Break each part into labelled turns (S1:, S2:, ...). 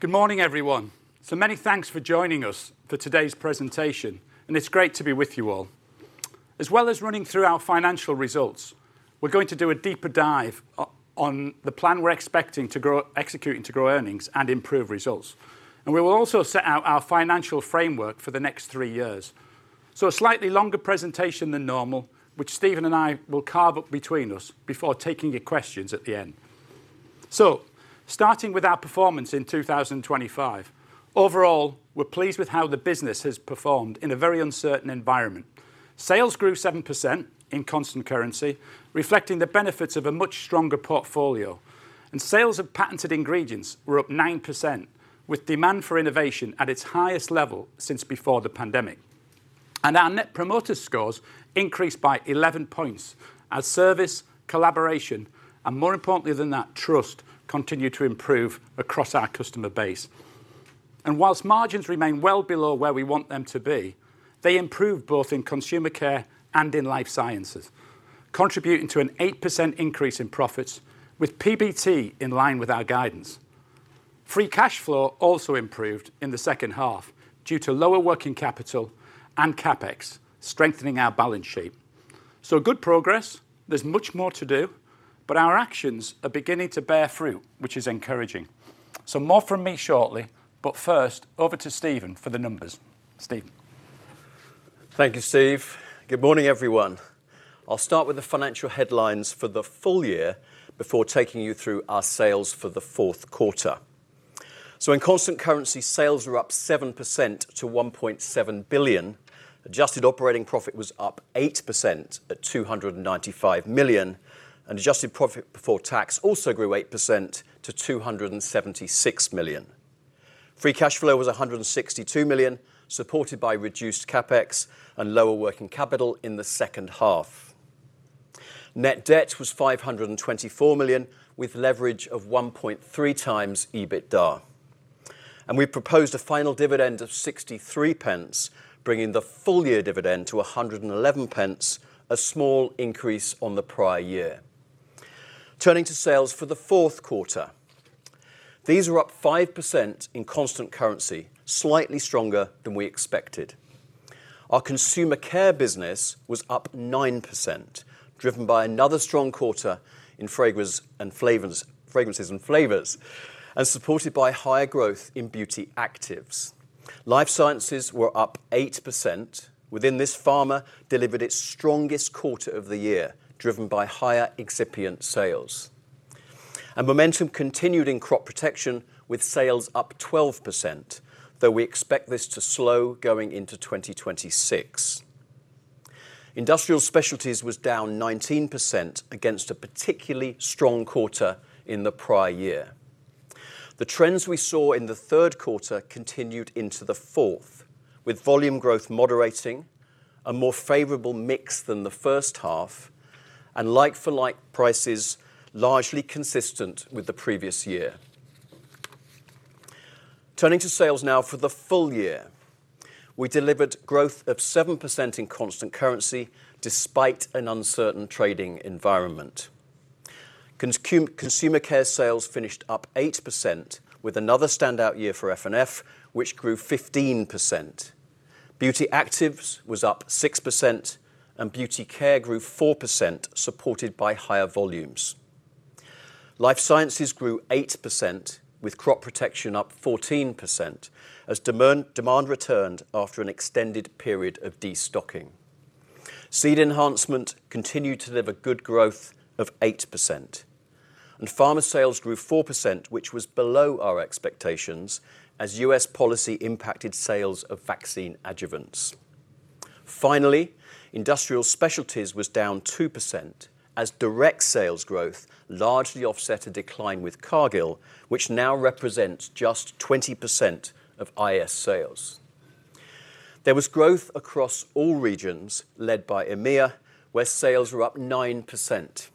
S1: Good morning, everyone. Many thanks for joining us for today's presentation, and it's great to be with you all. As well as running through our financial results, we're going to do a deeper dive on the plan we're expecting to execute and to grow earnings and improve results. We will also set out our financial framework for the next three years. A slightly longer presentation than normal, which Stephen and I will carve up between us before taking your questions at the end. Starting with our performance in 2025. Overall, we're pleased with how the business has performed in a very uncertain environment. Sales grew 7% in constant currency, reflecting the benefits of a much stronger portfolio, and sales of patented ingredients were up 9%, with demand for innovation at its highest level since before the pandemic. Our Net Promoter Scores increased by 11 points as service, collaboration, and more importantly than that, trust, continued to improve across our customer base. Whilst margins remain well below where we want them to be, they improved both in Consumer Care and in Life Sciences, contributing to an 8% increase in profits with PBT in line with our guidance. Free cash flow also improved in the second half due to lower working capital and CapEx, strengthening our balance sheet. Good progress. There's much more to do, but our actions are beginning to bear fruit, which is encouraging. More from me shortly, but first, over to Stephen for the numbers. Stephen?
S2: Thank you, Steve. Good morning, everyone. I'll start with the financial headlines for the full year before taking you through our sales for the fourth quarter. In constant currency, sales were up 7% to 1.7 billion. Adjusted operating profit was up 8% at 295 million, and adjusted profit before tax also grew 8% to 276 million. Free cash flow was 162 million, supported by reduced CapEx and lower working capital in the second half. Net debt was 524 million, with leverage of 1.3x EBITDA. We proposed a final dividend of 0.63, bringing the full-year dividend to 1.11, a small increase on the prior year. Turning to sales for the fourth quarter. These were up 5% in constant currency, slightly stronger than we expected. Our Consumer Care business was up 9%, driven by another strong quarter in Flavours and Fragrances, and supported by higher growth in Beauty Actives. Life Sciences were up 8%. Within this, Pharma delivered its strongest quarter of the year, driven by higher excipient sales. Momentum continued in Crop Protection, with sales up 12%, though we expect this to slow going into 2026. Industrial Specialties was down 19% against a particularly strong quarter in the prior year. The trends we saw in the third quarter continued into the fourth, with volume growth moderating, a more favorable mix than the first half, and like-for-like prices largely consistent with the previous year. Turning to sales now for the full year. We delivered growth of 7% in constant currency, despite an uncertain trading environment. Consumer Care sales finished up 8%, with another standout year for F&F, which grew 15%. Beauty Actives was up 6%, Beauty Care grew 4%, supported by higher volumes. Life Sciences grew 8%, with Crop Protection up 14%, as demand returned after an extended period of destocking. Seed Enhancement continued to deliver good growth of 8%, Pharma sales grew 4%, which was below our expectations, as U.S. policy impacted sales of vaccine adjuvants. Finally, Industrial Specialties was down 2%, as direct sales growth largely offset a decline with Cargill, which now represents just 20% of IS sales. There was growth across all regions, led by EMEA, where sales were up 9%.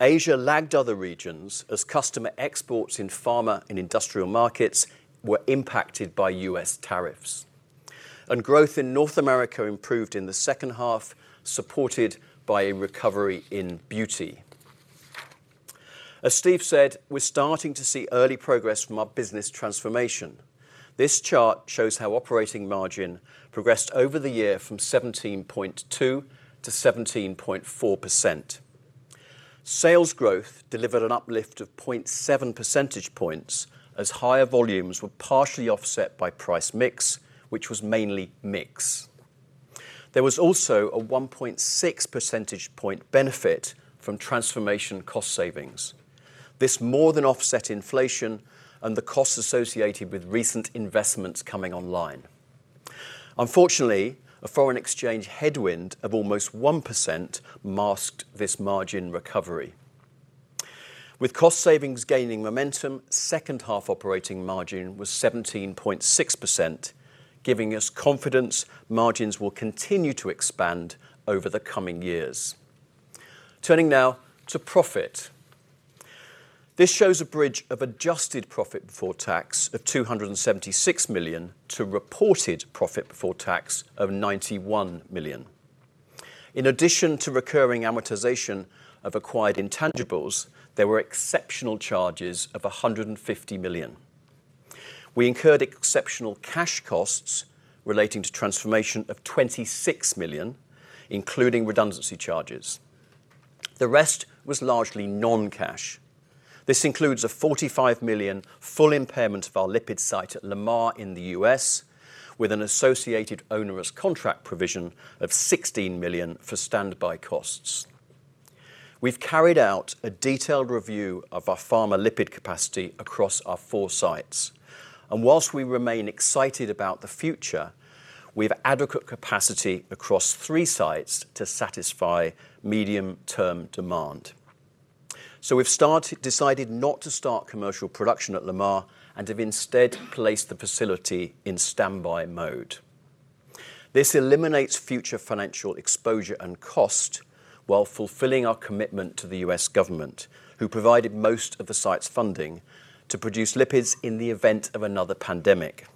S2: Asia lagged other regions as customer exports in pharma and industrial markets were impacted by U.S. tariffs. Growth in North America improved in the second half, supported by a recovery in Beauty. As Steve said, we're starting to see early progress from our business transformation. This chart shows how operating margin progressed over the year from 17.2%-17.4%. Sales growth delivered an uplift of 0.7 percentage points, as higher volumes were partially offset by price mix, which was mainly mix. There was also a 1.6 percentage point benefit from transformation cost savings. This more than offset inflation and the costs associated with recent investments coming online. Unfortunately, a foreign exchange headwind of almost 1% masked this margin recovery. With cost savings gaining momentum, second-half operating margin was 17.6%, giving us confidence margins will continue to expand over the coming years. Turning now to profit. This shows a bridge of adjusted profit before tax of 276 million to reported profit before tax of 91 million. In addition to recurring amortization of acquired intangibles, there were exceptional charges of 150 million. We incurred exceptional cash costs relating to transformation of 26 million, including redundancy charges. The rest was largely non-cash. This includes a 45 million full impairment of our lipid site at Lamar in the U.S., with an associated onerous contract provision of 16 million for standby costs. We've carried out a detailed review of our Pharma lipid capacity across our four sites, whilst we remain excited about the future, we have adequate capacity across three sites to satisfy medium-term demand. We've decided not to start commercial production at Lamar and have instead placed the facility in standby mode. This eliminates future financial exposure and cost while fulfilling our commitment to the U.S. government, who provided most of the site's funding to produce lipids in the event of another pandemic.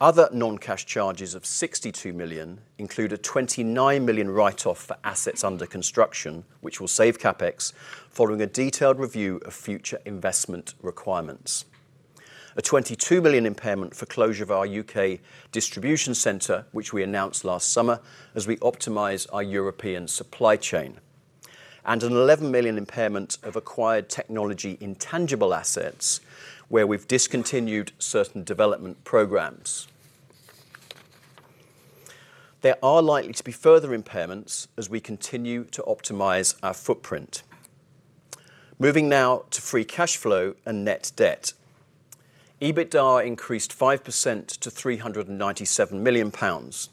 S2: Other non-cash charges of 62 million include a 29 million write-off for assets under construction, which will save CapEx, following a detailed review of future investment requirements. A 22 million impairment for closure of our U.K. distribution center, which we announced last summer, as we optimize our European supply chain, and a 11 million impairment of acquired technology intangible assets, where we've discontinued certain development programs. There are likely to be further impairments as we continue to optimize our footprint. Moving now to free cash flow and net debt. EBITDA increased 5% to 397 million pounds.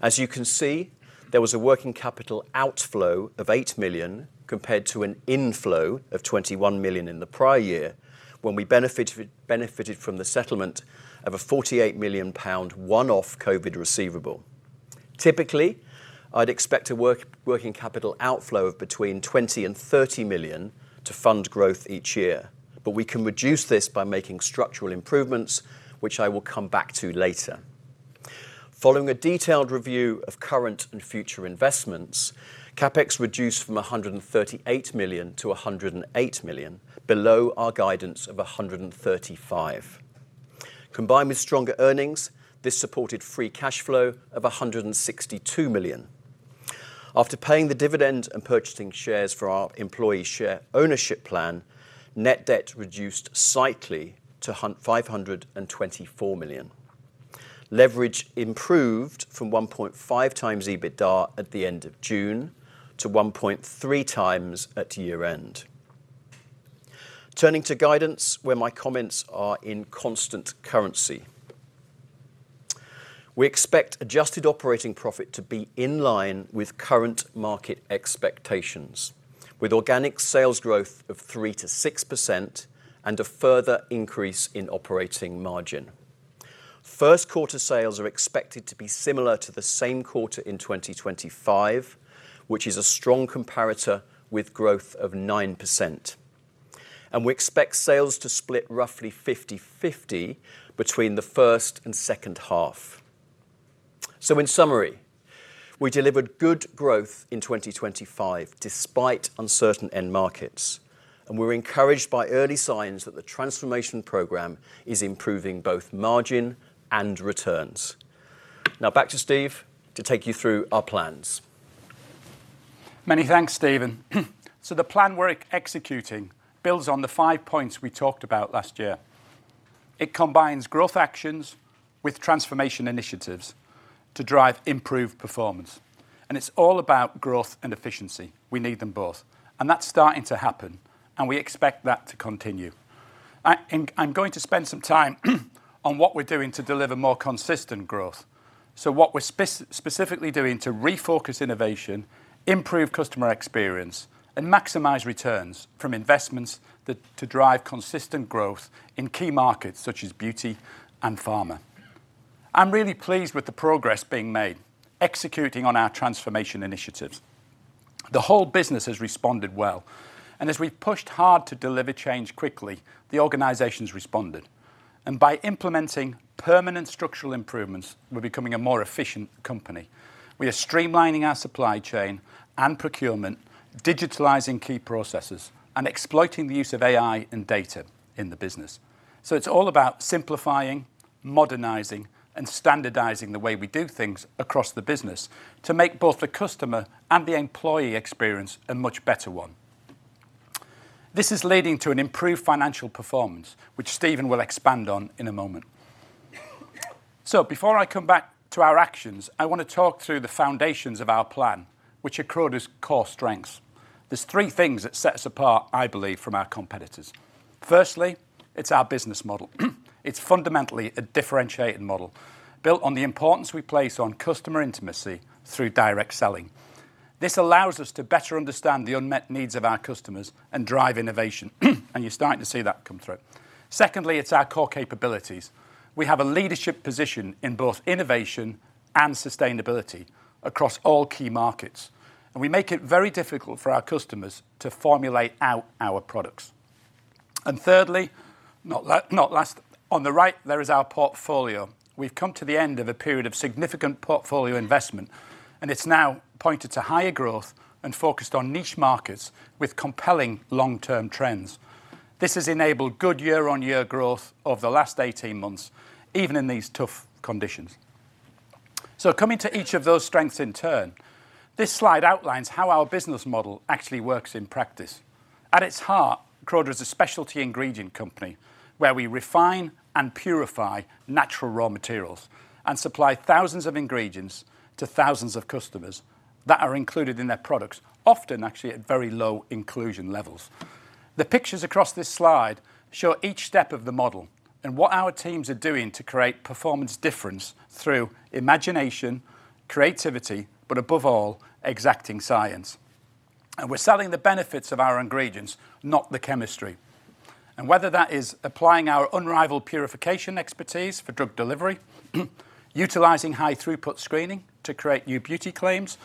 S2: As you can see, there was a working capital outflow of 8 million, compared to an inflow of 21 million in the prior year, when we benefited from the settlement of a 48 million pound one-off COVID receivable. Typically, I'd expect a working capital outflow of between 20 million and 30 million to fund growth each year, but we can reduce this by making structural improvements, which I will come back to later. Following a detailed review of current and future investments, CapEx reduced from 138 million-108 million, below our guidance of 135 million. Combined with stronger earnings, this supported free cash flow of 162 million. After paying the dividend and purchasing shares for our employee share ownership plan, net debt reduced slightly to 524 million. Leverage improved from 1.5x EBITDA at the end of June to 1.3x at year-end. Turning to guidance, where my comments are in constant currency. We expect adjusted operating profit to be in line with current market expectations, with organic sales growth of 3%-6% and a further increase in operating margin. First quarter sales are expected to be similar to the same quarter in 2025, which is a strong comparator with growth of 9%. We expect sales to split roughly 50/50 between the first and second half. In summary, we delivered good growth in 2025 despite uncertain end markets, and we're encouraged by early signs that the transformation program is improving both margin and returns. Now, back to Steve to take you through our plans.
S1: Many thanks, Stephen. The plan we're executing builds on the five points we talked about last year. It combines growth actions with transformation initiatives to drive improved performance, and it's all about growth and efficiency. We need them both, and that's starting to happen, and we expect that to continue. I'm going to spend some time on what we're doing to deliver more consistent growth. What we're specifically doing to refocus innovation, improve customer experience, and maximize returns from investments to drive consistent growth in key markets such as Beauty and Pharma. I'm really pleased with the progress being made, executing on our transformation initiatives. The whole business has responded well, and as we've pushed hard to deliver change quickly, the organization's responded. By implementing permanent structural improvements, we're becoming a more efficient company. We are streamlining our supply chain and procurement, digitalizing key processes, and exploiting the use of AI and data in the business. It's all about simplifying, modernizing, and standardizing the way we do things across the business to make both the customer and the employee experience a much better one. This is leading to an improved financial performance, which Stephen will expand on in a moment. Before I come back to our actions, I want to talk through the foundations of our plan, which are Croda's core strengths. There's three things that set us apart, I believe, from our competitors. Firstly, it's our business model. It's fundamentally a differentiating model, built on the importance we place on customer intimacy through direct selling. This allows us to better understand the unmet needs of our customers and drive innovation, and you're starting to see that come through. Secondly, it's our core capabilities. We have a leadership position in both innovation and sustainability across all key markets, we make it very difficult for our customers to formulate out our products. Thirdly, not last, on the right, there is our portfolio. We've come to the end of a period of significant portfolio investment, and it's now pointed to higher growth and focused on niche markets with compelling long-term trends. This has enabled good year-on-year growth over the last 18 months, even in these tough conditions. Coming to each of those strengths in turn, this slide outlines how our business model actually works in practice. At its heart, Croda is a specialty ingredient company, where we refine and purify natural raw materials and supply thousands of ingredients to thousands of customers that are included in their products, often actually at very low inclusion levels. The pictures across this slide show each step of the model and what our teams are doing to create performance difference through imagination, creativity, but above all, exacting science. We're selling the benefits of our ingredients, not the chemistry. Whether that is applying our unrivaled purification expertise for drug delivery, utilizing high-throughput screening to create new Beauty claims,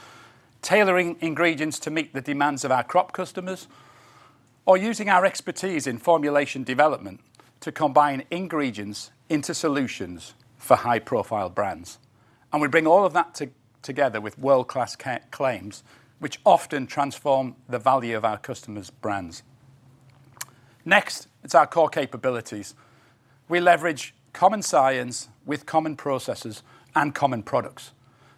S1: tailoring ingredients to meet the demands of our Crop customers, or using our expertise in formulation development to combine ingredients into solutions for high-profile brands. We bring all of that together with world-class claims, which often transform the value of our customers' brands. Next, it's our core capabilities. We leverage common science with common processes and common products.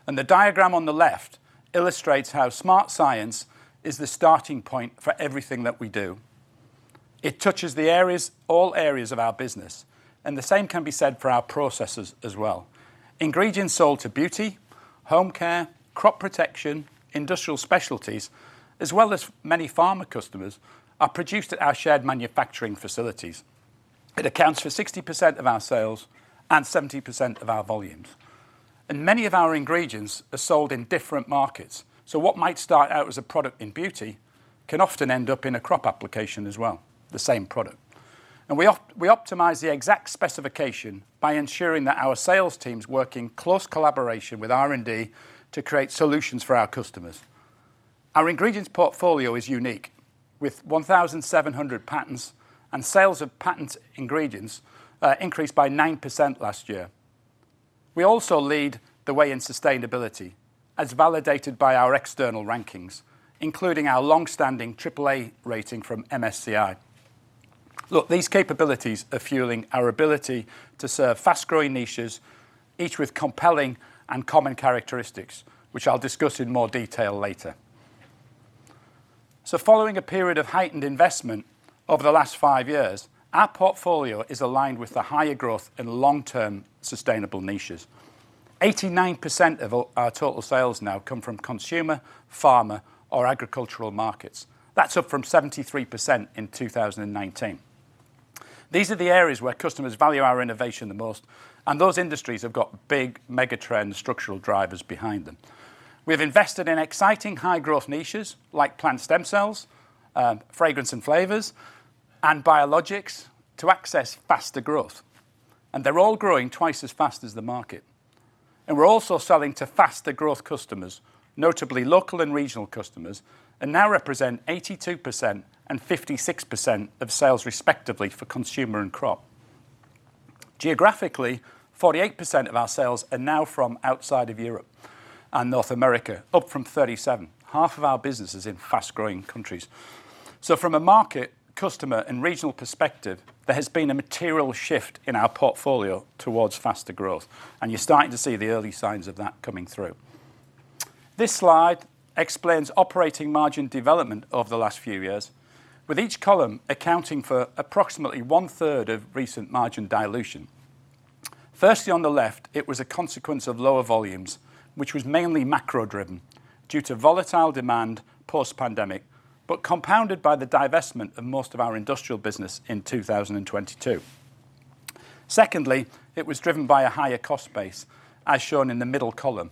S1: The diagram on the left illustrates how smart science is the starting point for everything that we do. It touches all areas of our business. The same can be said for our processes as well. Ingredients sold to Beauty, Home Care, Crop Protection, Industrial Specialties, as well as many Pharma customers, are produced at our shared manufacturing facilities. It accounts for 60% of our sales and 70% of our volumes. Many of our ingredients are sold in different markets, so what might start out as a product in Beauty, can often end up in a Crop application as well, the same product. We optimize the exact specification by ensuring that our sales teams work in close collaboration with R&D to create solutions for our customers. Our ingredients portfolio is unique, with 1,700 patents. Sales of patent ingredients increased by 9% last year. We also lead the way in sustainability, as validated by our external rankings, including our long-standing triple A rating from MSCI. Look, these capabilities are fueling our ability to serve fast-growing niches, each with compelling and common characteristics, which I'll discuss in more detail later. Following a period of heightened investment over the last five years, our portfolio is aligned with the higher growth and long-term sustainable niches. 89% of all our total sales now come from Consumer, Pharma, or agricultural markets. That's up from 73% in 2019. These are the areas where customers value our innovation the most, and those industries have got big megatrend structural drivers behind them. We've invested in exciting high-growth niches like plant stem cells, fragrance and Flavours, and biologics to access faster growth. They're all growing twice as fast as the market. We're also selling to faster growth customers, notably local and regional customers, and now represent 82% and 56% of sales, respectively, for Consumer and Crop. Geographically, 48% of our sales are now from outside of Europe and North America, up from 37%. Half of our business is in fast-growing countries. From a market, customer, and regional perspective, there has been a material shift in our portfolio towards faster growth, and you're starting to see the early signs of that coming through. This slide explains operating margin development over the last few years, with each column accounting for approximately one-third of recent margin dilution. Firstly, on the left, it was a consequence of lower volumes, which was mainly macro-driven due to volatile demand post-pandemic, but compounded by the divestment of most of our industrial business in 2022. Secondly, it was driven by a higher cost base, as shown in the middle column.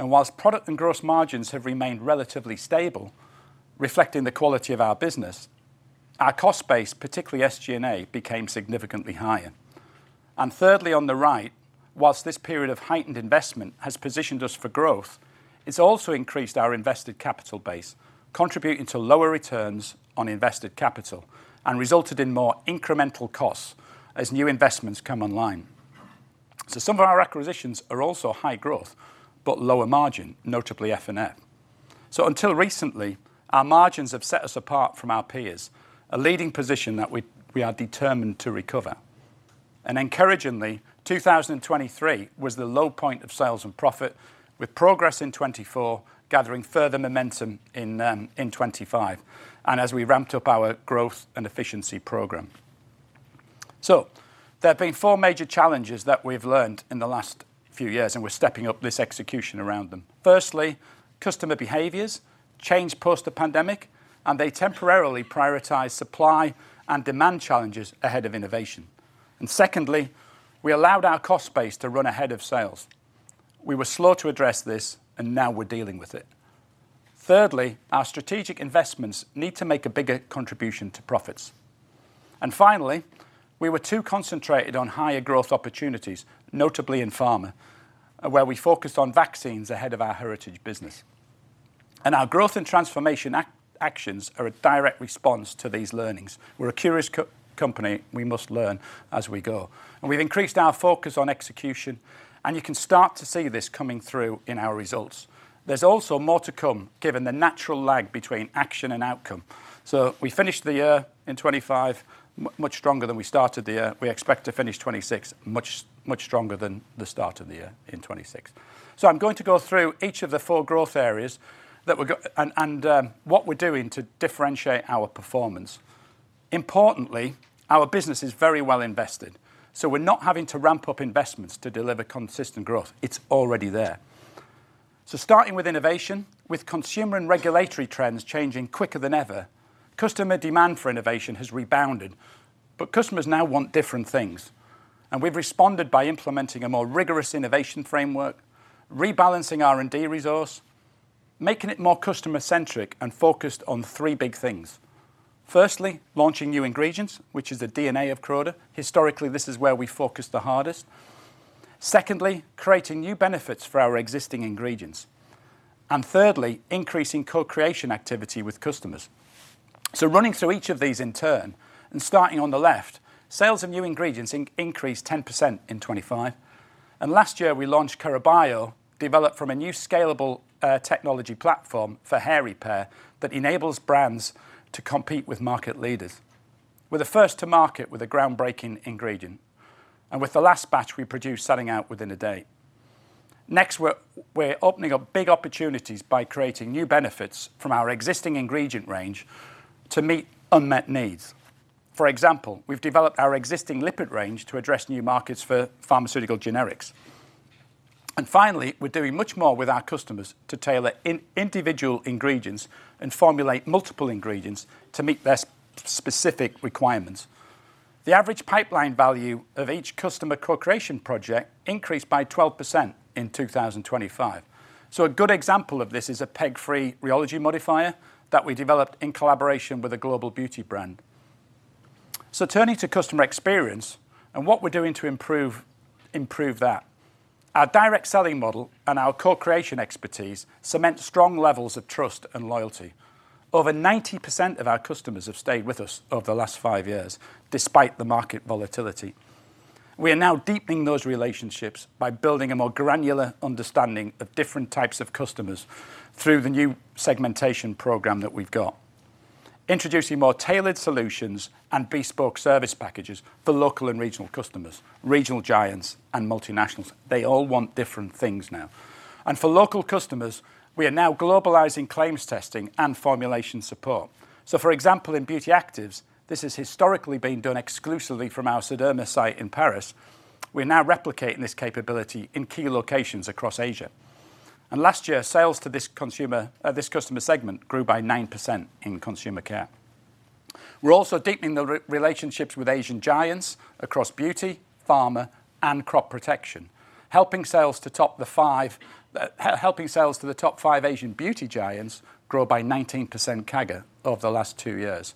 S1: Whilst product and gross margins have remained relatively stable, reflecting the quality of our business, our cost base, particularly SG&A, became significantly higher. Thirdly, on the right, whilst this period of heightened investment has positioned us for growth, it's also increased our invested capital base, contributing to lower returns on invested capital and resulted in more incremental costs as new investments come online. Some of our acquisitions are also high growth, but lower margin, notably F&F. Until recently, our margins have set us apart from our peers, a leading position that we are determined to recover. Encouragingly, 2023 was the low point of sales and profit, with progress in 2024, gathering further momentum in 2025, as we ramped up our growth and efficiency program. There have been four major challenges that we've learned in the last few years, and we're stepping up this execution around them. Firstly, customer behaviors changed post the pandemic, and they temporarily prioritized supply and demand challenges ahead of innovation. Secondly, we allowed our cost base to run ahead of sales. We were slow to address this, and now we're dealing with it. Thirdly, our strategic investments need to make a bigger contribution to profits. Finally, we were too concentrated on higher growth opportunities, notably in Pharma, where we focused on vaccines ahead of our heritage business. Our growth and transformation actions are a direct response to these learnings. We're a curious company. We must learn as we go. We've increased our focus on execution, and you can start to see this coming through in our results. There's also more to come, given the natural lag between action and outcome. We finished the year in 2025, much stronger than we started the year. We expect to finish 2026, much stronger than the start of the year in 2026. I'm going to go through each of the four growth areas that we're doing to differentiate our performance. Importantly, our business is very well invested, so we're not having to ramp up investments to deliver consistent growth. It's already there. Starting with innovation, with Consumer and regulatory trends changing quicker than ever, customer demand for innovation has rebounded, but customers now want different things. We've responded by implementing a more rigorous innovation framework, rebalancing R&D resource, making it more customer-centric and focused on three big things. Firstly, launching new ingredients, which is the DNA of Croda. Historically, this is where we focus the hardest. Secondly, creating new benefits for our existing ingredients. Thirdly, increasing co-creation activity with customers. Running through each of these in turn, and starting on the left, sales of new ingredients increased 10% in 2025, and last year we launched KeraBio, developed from a new scalable technology platform for hair repair that enables brands to compete with market leaders. We're the first to market with a groundbreaking ingredient, and with the last batch we produced selling out within a day. Next, we're opening up big opportunities by creating new benefits from our existing ingredient range to meet unmet needs. For example, we've developed our existing lipid range to address new markets for pharmaceutical generics. Finally, we're doing much more with our customers to tailor individual ingredients and formulate multiple ingredients to meet their specific requirements. The average pipeline value of each customer co-creation project increased by 12% in 2025. A good example of this is a PEG-free rheology modifier that we developed in collaboration with a global beauty brand. Turning to customer experience and what we're doing to improve that. Our direct selling model and our co-creation expertise cement strong levels of trust and loyalty. Over 90% of our customers have stayed with us over the last five years, despite the market volatility. We are now deepening those relationships by building a more granular understanding of different types of customers through the new segmentation program that we've got. Introducing more tailored solutions and bespoke service packages for local and regional customers, regional giants, and multinationals. They all want different things now. For local customers, we are now globalizing claims testing and formulation support. For example, in Beauty Actives, this has historically been done exclusively from our Sederma site in Paris. We're now replicating this capability in key locations across Asia. Last year, sales to this customer segment grew by 9% in Consumer Care. We're also deepening the relationships with Asian giants across Beauty, Pharma, and Crop Protection, helping sales to the top five Asian beauty giants grow by 19% CAGR over the last two years.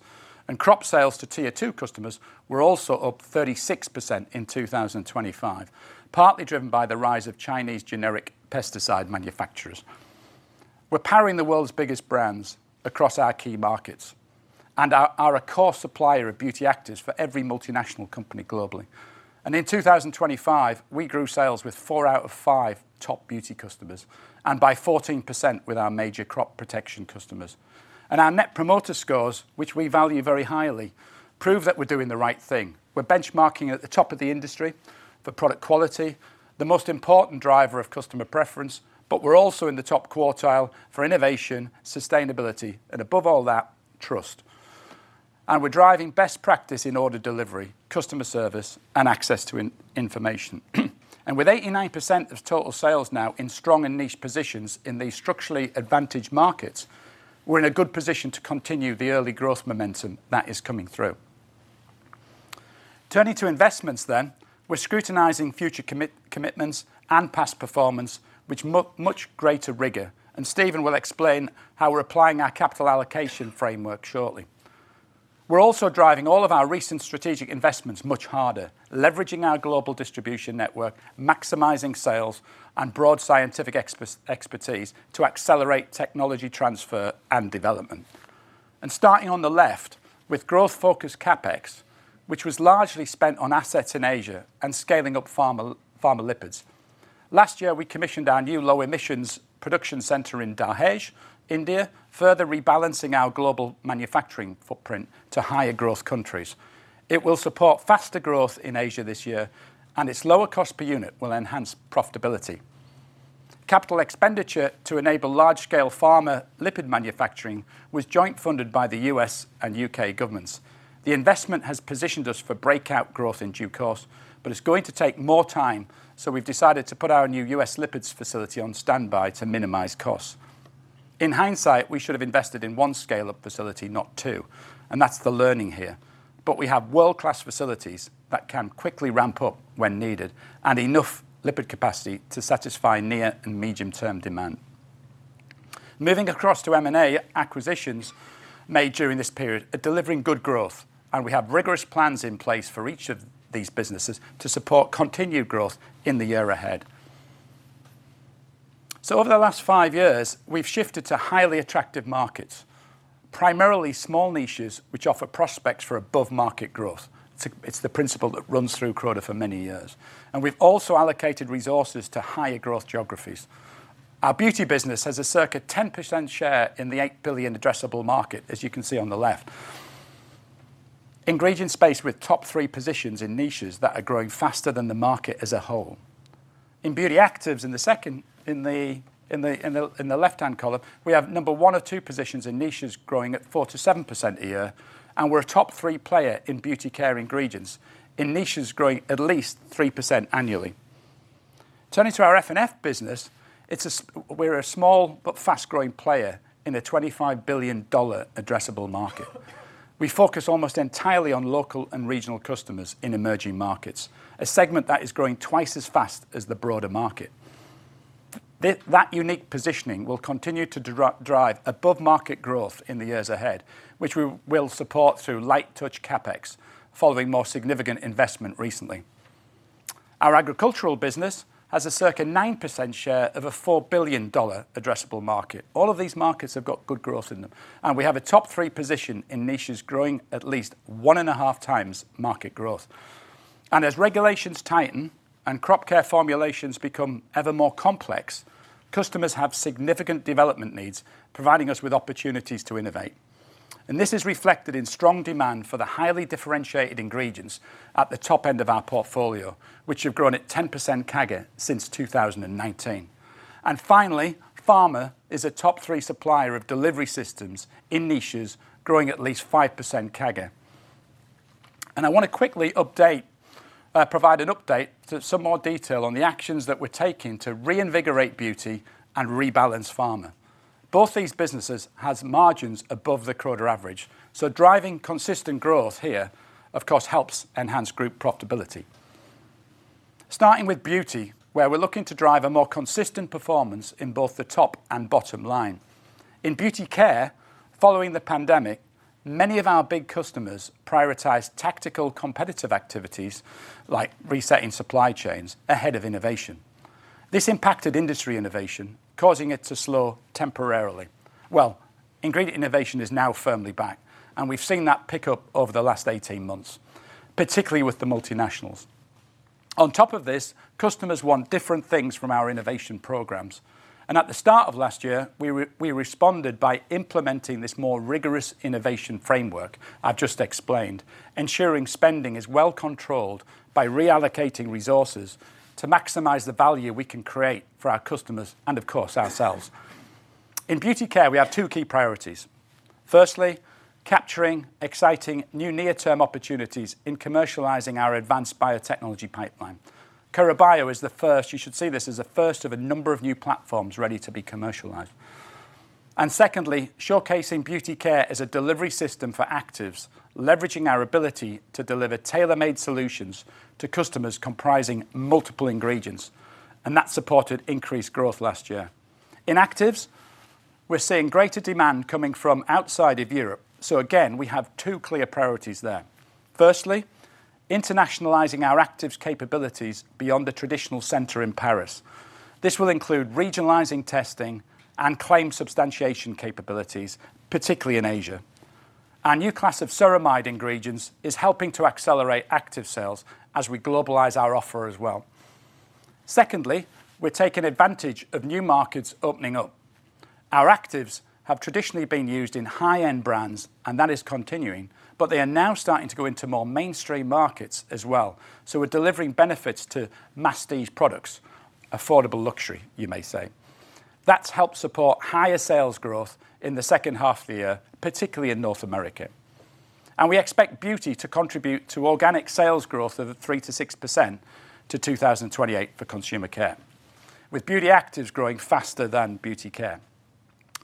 S1: Crop sales to Tier 2 customers were also up 36% in 2025, partly driven by the rise of Chinese generic pesticide manufacturers. We're powering the world's biggest brands across our key markets, are a core supplier of Beauty Actives for every multinational company globally. In 2025, we grew sales with four out of five top Beauty customers, and by 14% with our major Crop Protection customers. Our Net Promoter Scores, which we value very highly, prove that we're doing the right thing. We're benchmarking at the top of the industry for product quality, the most important driver of customer preference, but we're also in the top quartile for innovation, sustainability, and above all that, trust. We're driving best practice in order delivery, customer service, and access to information. With 89% of total sales now in strong and niche positions in these structurally advantaged markets, we're in a good position to continue the early growth momentum that is coming through. Turning to investments then, we're scrutinizing future commitments and past performance with much greater rigor, and Stephen will explain how we're applying our capital allocation framework shortly. We're also driving all of our recent strategic investments much harder, leveraging our global distribution network, maximizing sales and broad scientific expertise to accelerate technology transfer and development. Starting on the left, with growth-focused CapEx, which was largely spent on assets in Asia and scaling up Pharma lipids. Last year, we commissioned our new low-emissions production center in Dahej, India, further rebalancing our global manufacturing footprint to higher growth countries. It will support faster growth in Asia this year, and its lower cost per unit will enhance profitability. Capital expenditure to enable large-scale Pharma lipid manufacturing was joint funded by the U.S. and U.K. governments. The investment has positioned us for breakout growth in due course, it's going to take more time. We've decided to put our new U.S. lipids facility on standby to minimize costs. In hindsight, we should have invested in one scale-up facility, not two. That's the learning here. We have world-class facilities that can quickly ramp up when needed and enough lipid capacity to satisfy near and medium-term demand. Moving across to M&A, acquisitions made during this period are delivering good growth. We have rigorous plans in place for each of these businesses to support continued growth in the year ahead. Over the last five years, we've shifted to highly attractive markets, primarily small niches, which offer prospects for above-market growth. It's the principle that runs through Croda for many years. We've also allocated resources to higher growth geographies. Our Beauty business has a circa 10% share in the $8 billion addressable market, as you can see on the left. Ingredient space with top three positions in niches that are growing faster than the market as a whole. In Beauty Actives, in the second, in the left-hand column, we have number one or two positions in niches growing at 4%-7% a year, and we're a top three player in Beauty Care ingredients, in niches growing at least 3% annually. Turning to our F&F business, we're a small but fast-growing player in a $25 billion addressable market. We focus almost entirely on local and regional customers in emerging markets, a segment that is growing twice as fast as the broader market. That unique positioning will continue to drive above-market growth in the years ahead, which we will support through light-touch CapEx, following more significant investment recently. Our agricultural business has a circa 9% share of a $4 billion addressable market. All of these markets have got good growth in them. We have a top three position in niches growing at least 1.5x market growth. As regulations tighten and Crop Care formulations become ever more complex, customers have significant development needs, providing us with opportunities to innovate. This is reflected in strong demand for the highly differentiated ingredients at the top end of our portfolio, which have grown at 10% CAGR since 2019. Finally, Pharma is a top three supplier of delivery systems in niches, growing at least 5% CAGR. I want to quickly update, provide an update to some more detail on the actions that we're taking to reinvigorate Beauty and rebalance Pharma. Both these businesses has margins above the Croda average. Driving consistent growth here, of course, helps enhance group profitability. Starting with Beauty, where we're looking to drive a more consistent performance in both the top and bottom line. In Beauty Care, following the pandemic, many of our big customers prioritized tactical competitive activities, like resetting supply chains, ahead of innovation. This impacted industry innovation, causing it to slow temporarily. Well, ingredient innovation is now firmly back, and we've seen that pick up over the last 18 months, particularly with the multinationals. On top of this, customers want different things from our innovation programs. At the start of last year, we responded by implementing this more rigorous innovation framework I've just explained, ensuring spending is well controlled by reallocating resources to maximize the value we can create for our customers and, of course, ourselves. In Beauty Care, we have two key priorities. Firstly, capturing exciting new near-term opportunities in commercializing our advanced biotechnology pipeline. KeraBio is the first. You should see this as a first of a number of new platforms ready to be commercialized. Secondly, showcasing Beauty Care as a delivery system for Actives, leveraging our ability to deliver tailor-made solutions to customers comprising multiple ingredients, and that supported increased growth last year. In Actives, we're seeing greater demand coming from outside of Europe. Again, we have two clear priorities there. Internationalizing our Actives capabilities beyond the traditional center in Paris. This will include regionalizing testing and claim substantiation capabilities, particularly in Asia. Our new class of ceramide ingredients is helping to accelerate active sales as we globalize our offer as well. We're taking advantage of new markets opening up. Our Actives have traditionally been used in high-end brands, and that is continuing, but they are now starting to go into more mainstream markets as well. We're delivering benefits to masstige products. Affordable luxury, you may say. That's helped support higher sales growth in the second half of the year, particularly in North America. We expect Beauty to contribute to organic sales growth of 3%-6% to 2028 for Consumer Care, with Beauty Actives growing faster than Beauty Care.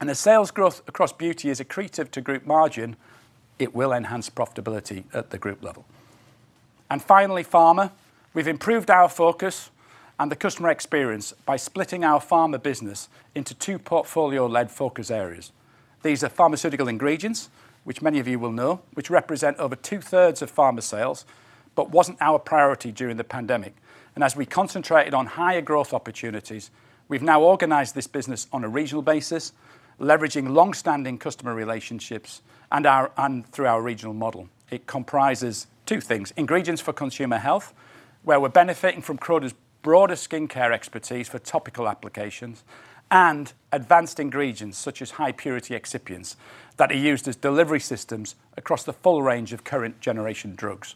S1: As sales growth across Beauty is accretive to group margin, it will enhance profitability at the group level. Finally, Pharma. We've improved our focus and the customer experience by splitting our Pharma business into two portfolio-led focus areas. These are pharmaceutical ingredients, which many of you will know, which represent over 2/3 of Pharma sales, but wasn't our priority during the pandemic. As we concentrated on higher growth opportunities, we've now organized this business on a regional basis, leveraging long-standing customer relationships and through our regional model. It comprises two things: ingredients for consumer health, where we're benefiting from Croda's broader skincare expertise for topical applications, and advanced ingredients, such as high-purity excipients, that are used as delivery systems across the full range of current generation drugs.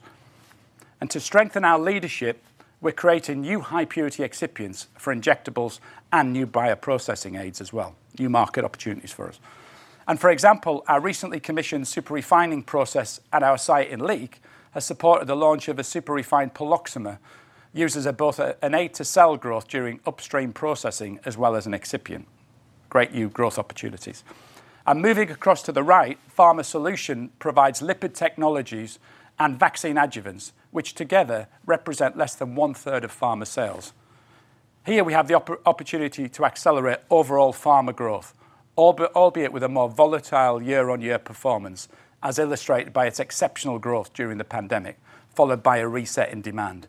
S1: To strengthen our leadership, we're creating new high-purity excipients for injectables and new bioprocessing aids as well. New market opportunities for us. For example, our recently commissioned super-refining process at our site in Leek, has supported the launch of a Super Refined Poloxamer, used as both an aid to cell growth during upstream processing, as well as an excipient. Great new growth opportunities. Moving across to the right, Pharma solution provides lipid technologies and vaccine adjuvants, which together represent less than 1/3 of Pharma sales. Here we have the opportunity to accelerate overall Pharma growth, albeit with a more volatile year-on-year performance, as illustrated by its exceptional growth during the pandemic, followed by a reset in demand.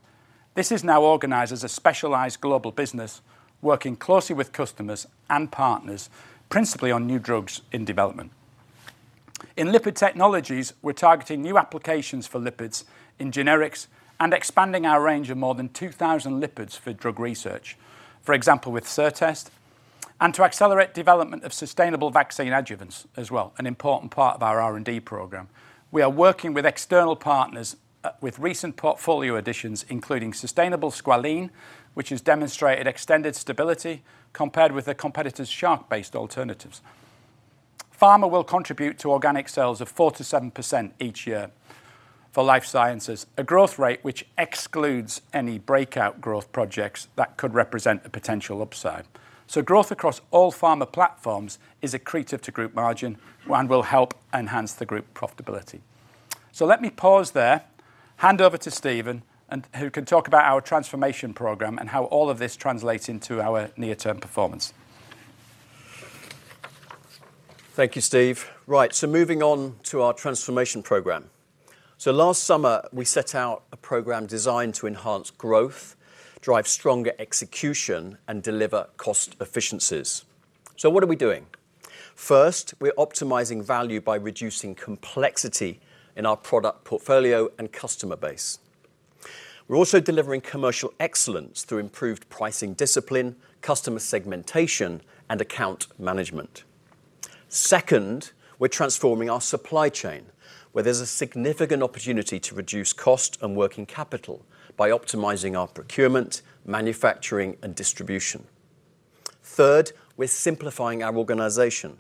S1: This is now organized as a specialized global business, working closely with customers and partners, principally on new drugs in development. In lipid technologies, we're targeting new applications for lipids in generics and expanding our range of more than 2,000 lipids for drug research. For example, with Certest. To accelerate development of sustainable vaccine adjuvants as well, an important part of our R&D program. We are working with external partners, with recent portfolio additions, including sustainable squalene, which has demonstrated extended stability compared with the competitor's shark-based alternatives. Pharma will contribute to organic sales of 4%-7% each year for Life Sciences, a growth rate which excludes any breakout growth projects that could represent a potential upside. Growth across all Pharma platforms is accretive to group margin and will help enhance the group profitability. Let me pause there, hand over to Stephen, who can talk about our transformation program and how all of this translates into our near-term performance.
S2: Thank you, Steve. Moving on to our transformation program. Last summer, we set out a program designed to enhance growth, drive stronger execution, and deliver cost efficiencies. What are we doing? First, we're optimizing value by reducing complexity in our product portfolio and customer base. We're also delivering commercial excellence through improved pricing discipline, customer segmentation, and account management. Second, we're transforming our supply chain, where there's a significant opportunity to reduce cost and working capital by optimizing our procurement, manufacturing, and distribution. Third, we're simplifying our organization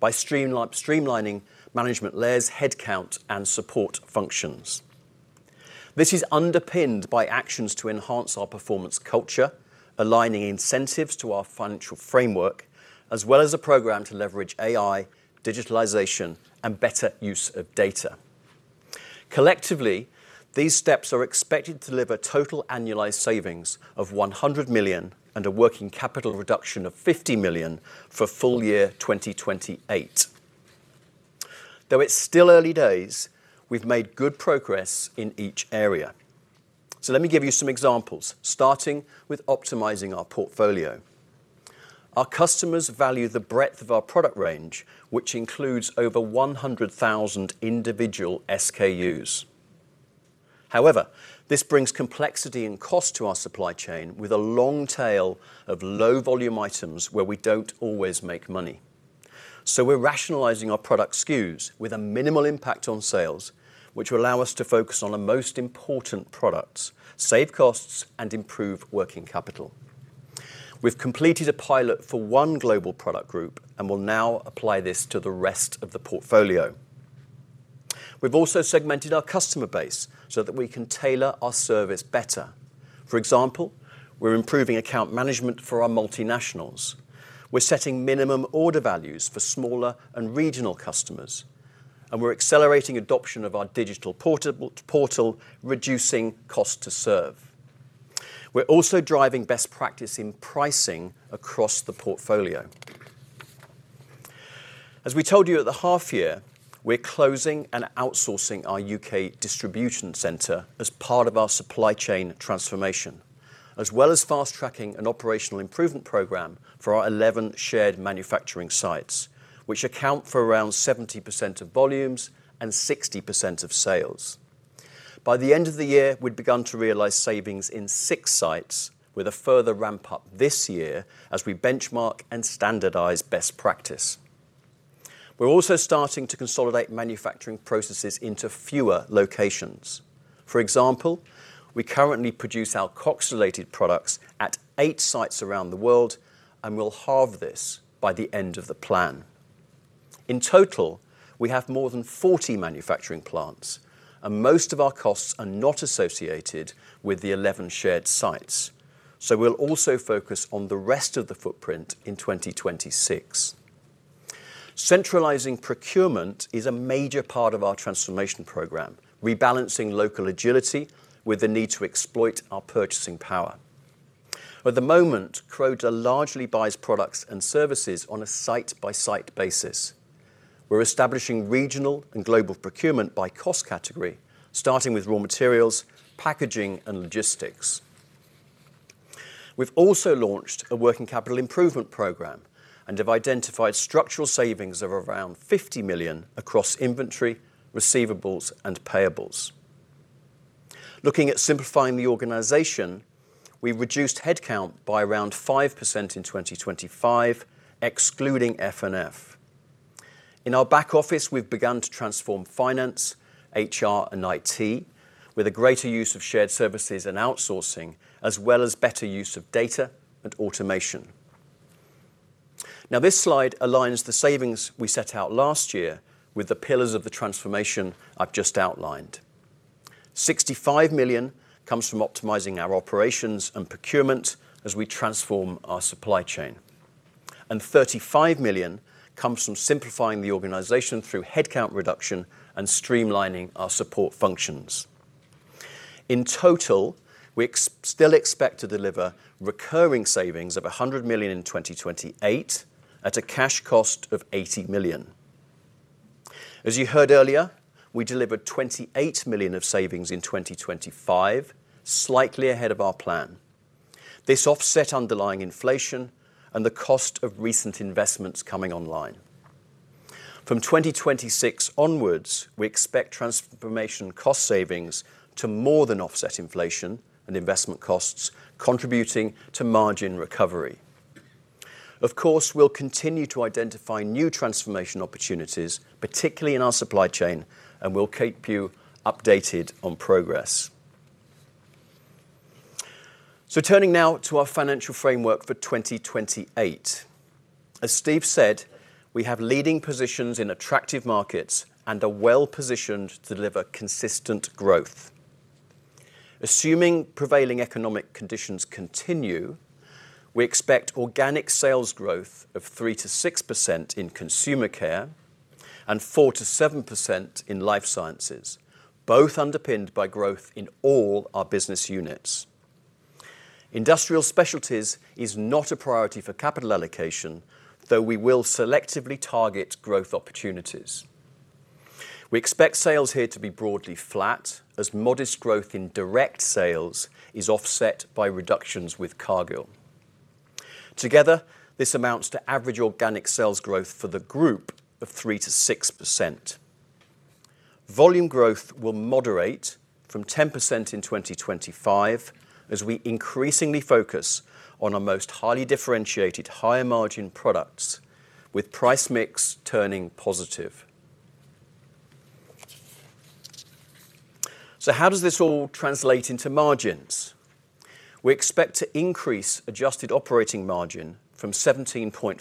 S2: by streamlining management layers, headcount, and support functions. This is underpinned by actions to enhance our performance culture, aligning incentives to our financial framework, as well as a program to leverage AI, digitalization, and better use of data. Collectively, these steps are expected to deliver total annualized savings of 100 million and a working capital reduction of 50 million for full year 2028. It's still early days, we've made good progress in each area. Let me give you some examples, starting with optimizing our portfolio. Our customers value the breadth of our product range, which includes over 100,000 individual SKUs. This brings complexity and cost to our supply chain with a long tail of low-volume items where we don't always make money. We're rationalizing our product SKUs with a minimal impact on sales, which will allow us to focus on the most important products, save costs, and improve working capital. We've completed a pilot for one global product group and will now apply this to the rest of the portfolio. We've also segmented our customer base so that we can tailor our service better. For example, we're improving account management for our multinationals. We're setting minimum order values for smaller and regional customers, and we're accelerating adoption of our digital portal, reducing cost to serve. We're also driving best practice in pricing across the portfolio. As we told you at the half year, we're closing and outsourcing our U.K. distribution center as part of our supply chain transformation, as well as fast-tracking an operational improvement program for our 11 shared manufacturing sites, which account for around 70% of volumes and 60% of sales. By the end of the year, we'd begun to realize savings in six sites with a further ramp-up this year as we benchmark and standardize best practice. We're also starting to consolidate manufacturing processes into fewer locations. For example, we currently produce our alkoxylated products at eight sites around the world, we'll halve this by the end of the plan. In total, we have more than 40 manufacturing plants, most of our costs are not associated with the 11 shared sites. We'll also focus on the rest of the footprint in 2026. Centralizing procurement is a major part of our transformation program, rebalancing local agility with the need to exploit our purchasing power. At the moment, Croda largely buys products and services on a site-by-site basis. We're establishing regional and global procurement by cost category, starting with raw materials, packaging, and logistics. We've also launched a working capital improvement program and have identified structural savings of around 50 million across inventory, receivables, and payables. Looking at simplifying the organization, we've reduced headcount by around 5% in 2025, excluding F&F. In our back office, we've begun to transform finance, HR, and IT with a greater use of shared services and outsourcing, as well as better use of data and automation. Now, this slide aligns the savings we set out last year with the pillars of the transformation I've just outlined. 65 million comes from optimizing our operations and procurement as we transform our supply chain, and 35 million comes from simplifying the organization through headcount reduction and streamlining our support functions. In total, we still expect to deliver recurring savings of 100 million in 2028, at a cash cost of 80 million. As you heard earlier, we delivered 28 million of savings in 2025, slightly ahead of our plan. This offset underlying inflation and the cost of recent investments coming online. From 2026 onwards, we expect transformation cost savings to more than offset inflation and investment costs, contributing to margin recovery. Of course, we'll continue to identify new transformation opportunities, particularly in our supply chain, and we'll keep you updated on progress. Turning now to our financial framework for 2028. As Steve said, we have leading positions in attractive markets and are well-positioned to deliver consistent growth. Assuming prevailing economic conditions continue, we expect organic sales growth of 3%-6% in Consumer Care and 4%-7% in Life Sciences, both underpinned by growth in all our business units. Industrial Specialties is not a priority for capital allocation, though we will selectively target growth opportunities. We expect sales here to be broadly flat, as modest growth in direct sales is offset by reductions with Cargill. Together, this amounts to average organic sales growth for the group of 3%-6%. Volume growth will moderate from 10% in 2025, as we increasingly focus on our most highly differentiated, higher-margin products, with price mix turning positive. How does this all translate into margins? We expect to increase adjusted operating margin from 17.4%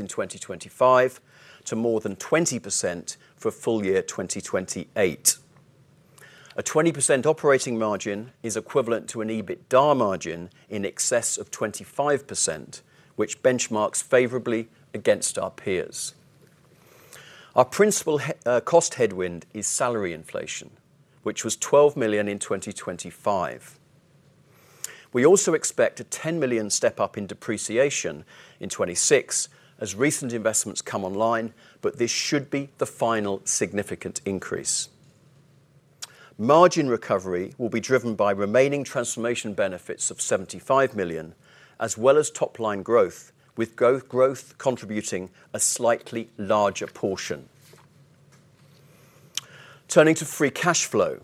S2: in 2025 to more than 20% for full year 2028. A 20% operating margin is equivalent to an EBITDA margin in excess of 25%, which benchmarks favorably against our peers. Our principal cost headwind is salary inflation, which was 12 million in 2025. We also expect a 10 million step-up in depreciation in 2026, as recent investments come online, but this should be the final significant increase. Margin recovery will be driven by remaining transformation benefits of 75 million, as well as top-line growth, with growth contributing a slightly larger portion. Turning to free cash flow.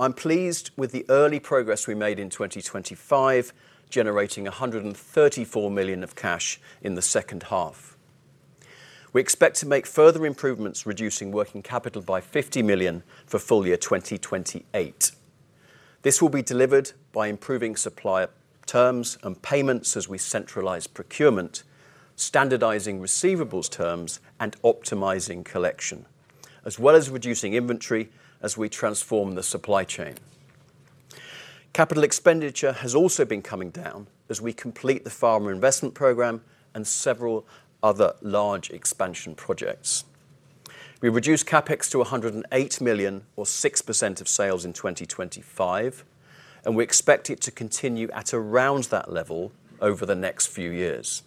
S2: I'm pleased with the early progress we made in 2025, generating 134 million of cash in the second half. We expect to make further improvements, reducing working capital by 50 million for full year 2028. This will be delivered by improving supplier terms and payments as we centralize procurement, standardizing receivables terms, and optimizing collection, as well as reducing inventory as we transform the supply chain. CapEx has also been coming down as we complete the Pharma investment program and several other large expansion projects. We reduced CapEx to 108 million or 6% of sales in 2025. We expect it to continue at around that level over the next few years.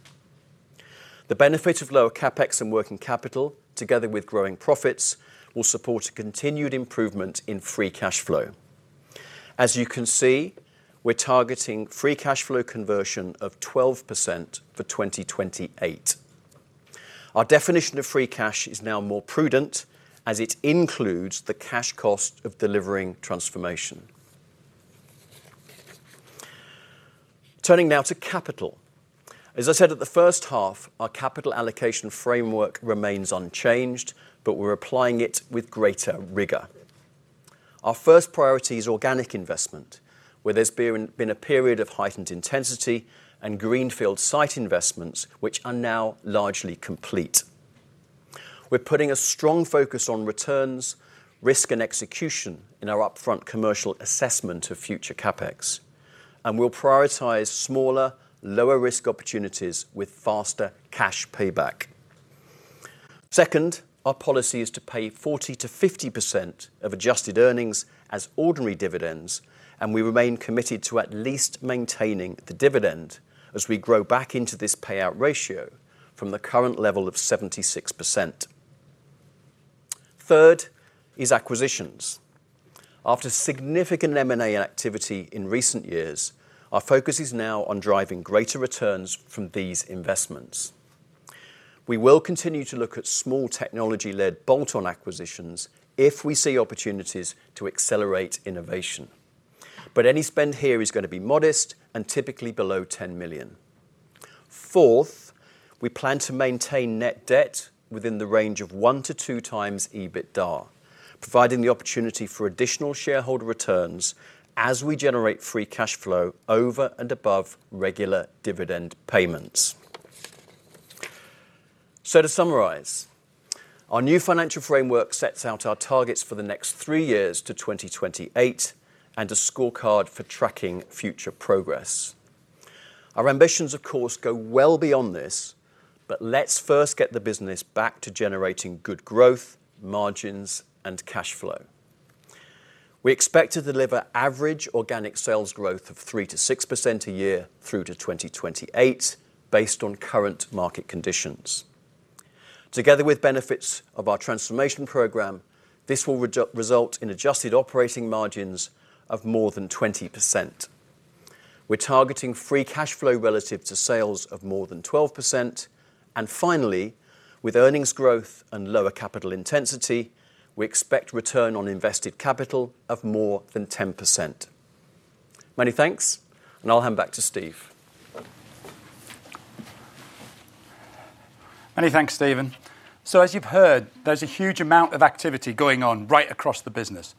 S2: The benefit of lower CapEx and working capital, together with growing profits, will support a continued improvement in free cash flow. As you can see, we're targeting free cash flow conversion of 12% for 2028. Our definition of free cash is now more prudent, as it includes the cash cost of delivering transformation. Turning now to capital. As I said at the first half, our capital allocation framework remains unchanged. We're applying it with greater rigor. Our first priority is organic investment, where there's been a period of heightened intensity and greenfield site investments, which are now largely complete. We're putting a strong focus on returns, risk, and execution in our upfront commercial assessment of future CapEx. We'll prioritize smaller, lower-risk opportunities with faster cash payback. Second, our policy is to pay 40%-50% of adjusted earnings as ordinary dividends. We remain committed to at least maintaining the dividend as we grow back into this payout ratio from the current level of 76%. Third is acquisitions. After significant M&A activity in recent years, our focus is now on driving greater returns from these investments. We will continue to look at small, technology-led bolt-on acquisitions if we see opportunities to accelerate innovation. Any spend here is gonna be modest and typically below 10 million. Fourth, we plan to maintain net debt within the range of 1x-2x EBITDA, providing the opportunity for additional shareholder returns as we generate free cash flow over and above regular dividend payments. To summarize, our new financial framework sets out our targets for the next three years to 2028 and a scorecard for tracking future progress. Our ambitions, of course, go well beyond this, Let's first get the business back to generating good growth, margins, and cash flow. We expect to deliver average organic sales growth of 3%-6% a year through to 2028, based on current market conditions. Together with benefits of our transformation program, this will result in adjusted operating margins of more than 20%. We're targeting free cash flow relative to sales of more than 12%. Finally, with earnings growth and lower capital intensity, we expect return on invested capital of more than 10%. Many thanks. I'll hand back to Steve.
S1: Many thanks, Stephen. As you've heard, there's a huge amount of activity going on right across the business.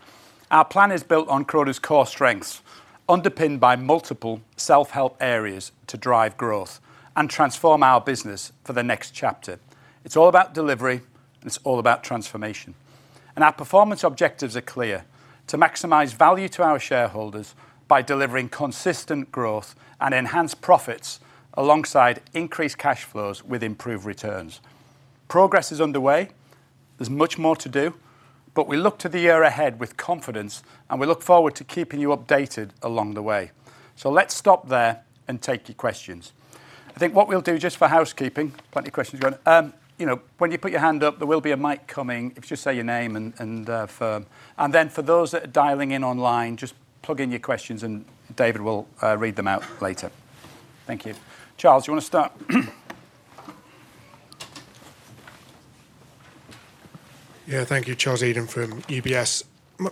S1: Our plan is built on Croda's core strengths, underpinned by multiple self-help areas to drive growth and transform our business for the next chapter. It's all about delivery, and it's all about transformation. Our performance objectives are clear: to maximize value to our shareholders by delivering consistent growth and enhanced profits, alongside increased cash flows with improved returns. Progress is underway. There's much more to do, we look to the year ahead with confidence, and we look forward to keeping you updated along the way. Let's stop there and take your questions. I think what we'll do, just for housekeeping. Plenty of questions going on. you know, when you put your hand up, there will be a mic coming. If you just say your name and firm. For those that are dialing in online, just plug in your questions, David will read them out later. Thank you. Charles, you want to start?
S3: Yeah, thank you. Charles Eden from UBS.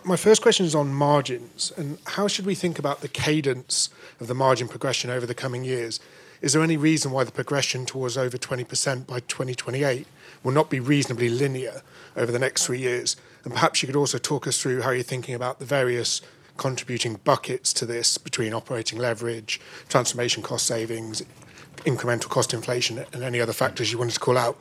S3: My first question is on margins. How should we think about the cadence of the margin progression over the coming years? Is there any reason why the progression towards over 20% by 2028 will not be reasonably linear over the next three years? Perhaps you could also talk us through how you're thinking about the various contributing buckets to this between operating leverage, transformation cost savings, incremental cost inflation, and any other factors you wanted to call out.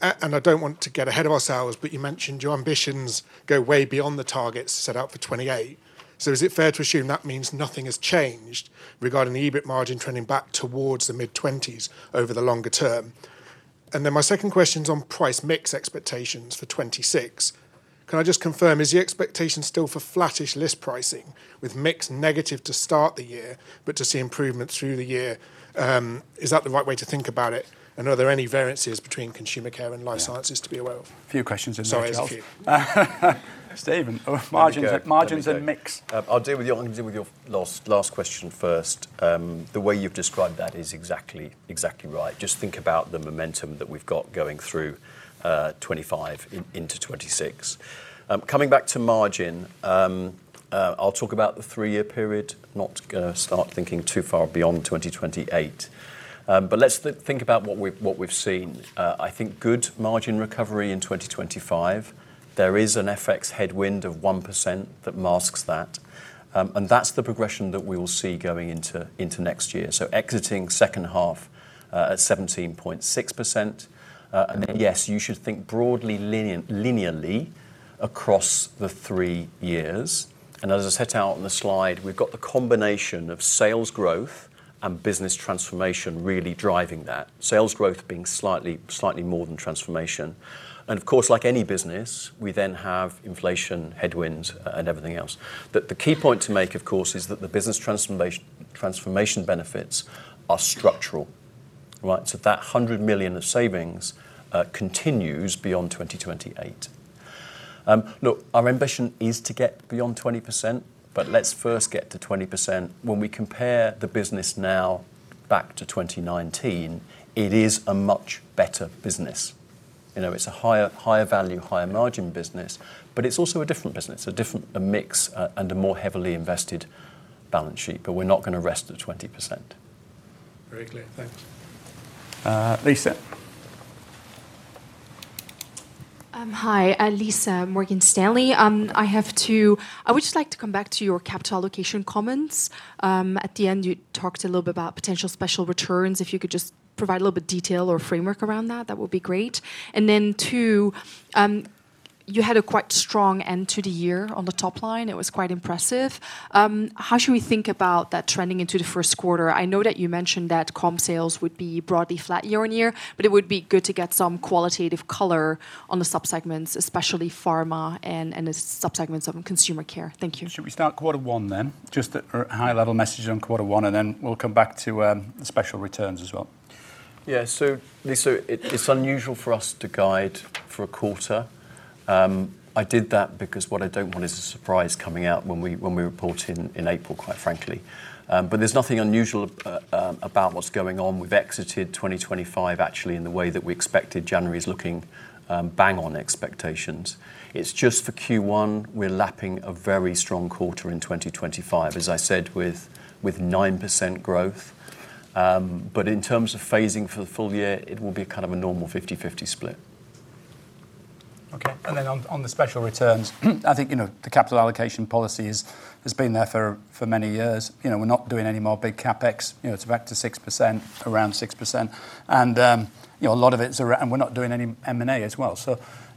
S3: I don't want to get ahead of ourselves, but you mentioned your ambitions go way beyond the targets set out for 2028. Is it fair to assume that means nothing has changed regarding the EBIT margin trending back towards the mid-20s over the longer term? Then my second question's on price mix expectations for 2026. Can I just confirm, is the expectation still for flattish list pricing, with mix negative to start the year, but to see improvement through the year? Is that the right way to think about it? Are there any variances between Consumer Care and Life Sciences to be aware of?
S1: Few questions in there, Charles.
S3: Sorry, excuse me.
S1: Oh, there we go.
S2: Margins, margins and mix.
S1: I'll deal with your last question first. The way you've described that is exactly right. Just think about the momentum that we've got going through 2025 into 2026. Coming back to margin, I'll talk about the three-year period, not start thinking too far beyond 2028. Let's think about what we've seen. I think good margin recovery in 2025. There is an FX headwind of 1% that masks that's the progression that we will see going into next year. Exiting second half at 17.6%. Yes, you should think broadly linearly across the three years. As I set out on the slide, we've got the combination of sales growth and business transformation really driving that. Sales growth being slightly more than transformation. Of course, like any business, we then have inflation, headwinds, and everything else. The key point to make, of course, is that the business transformation benefits are structural, right? That 100 million of savings continues beyond 2028. Look, our ambition is to get beyond 20%, let's first get to 20%. When we compare the business now back to 2019, it is a much better business. You know, it's a higher value, higher margin business, it's also a different business, a different mix, and a more heavily invested balance sheet, we're not going to rest at 20%.
S3: Very clear. Thank you.
S1: Lisa?
S4: Hi, Lisa, Morgan Stanley. I would just like to come back to your capital allocation comments. At the end, you talked a little bit about potential special returns. If you could just provide a little bit detail or framework around that would be great. Two, you had a quite strong end to the year on the top line. It was quite impressive. How should we think about that trending into the first quarter? I know that you mentioned that comp sales would be broadly flat year-on-year, but it would be good to get some qualitative color on the sub-segments, especially Pharma and the sub-segments of Consumer Care. Thank you.
S1: Should we start quarter one, then? Just a high-level message on quarter one, and then we'll come back to the special returns as well.
S2: Lisa, it's unusual for us to guide for a quarter. I did that because what I don't want is a surprise coming out when we report in April, quite frankly. There's nothing unusual about what's going on. We've exited 2025 actually in the way that we expected. January is looking bang on expectations. It's just for Q1, we're lapping a very strong quarter in 2025, as I said, with 9% growth. In terms of phasing for the full year, it will be kind of a normal 50/50 split.
S1: Okay. on the special returns, I think, you know, the capital allocation policy has been there for many years. You know, we're not doing any more big CapEx. You know, it's back to 6%, around 6%. You know, we're not doing any M&A as well.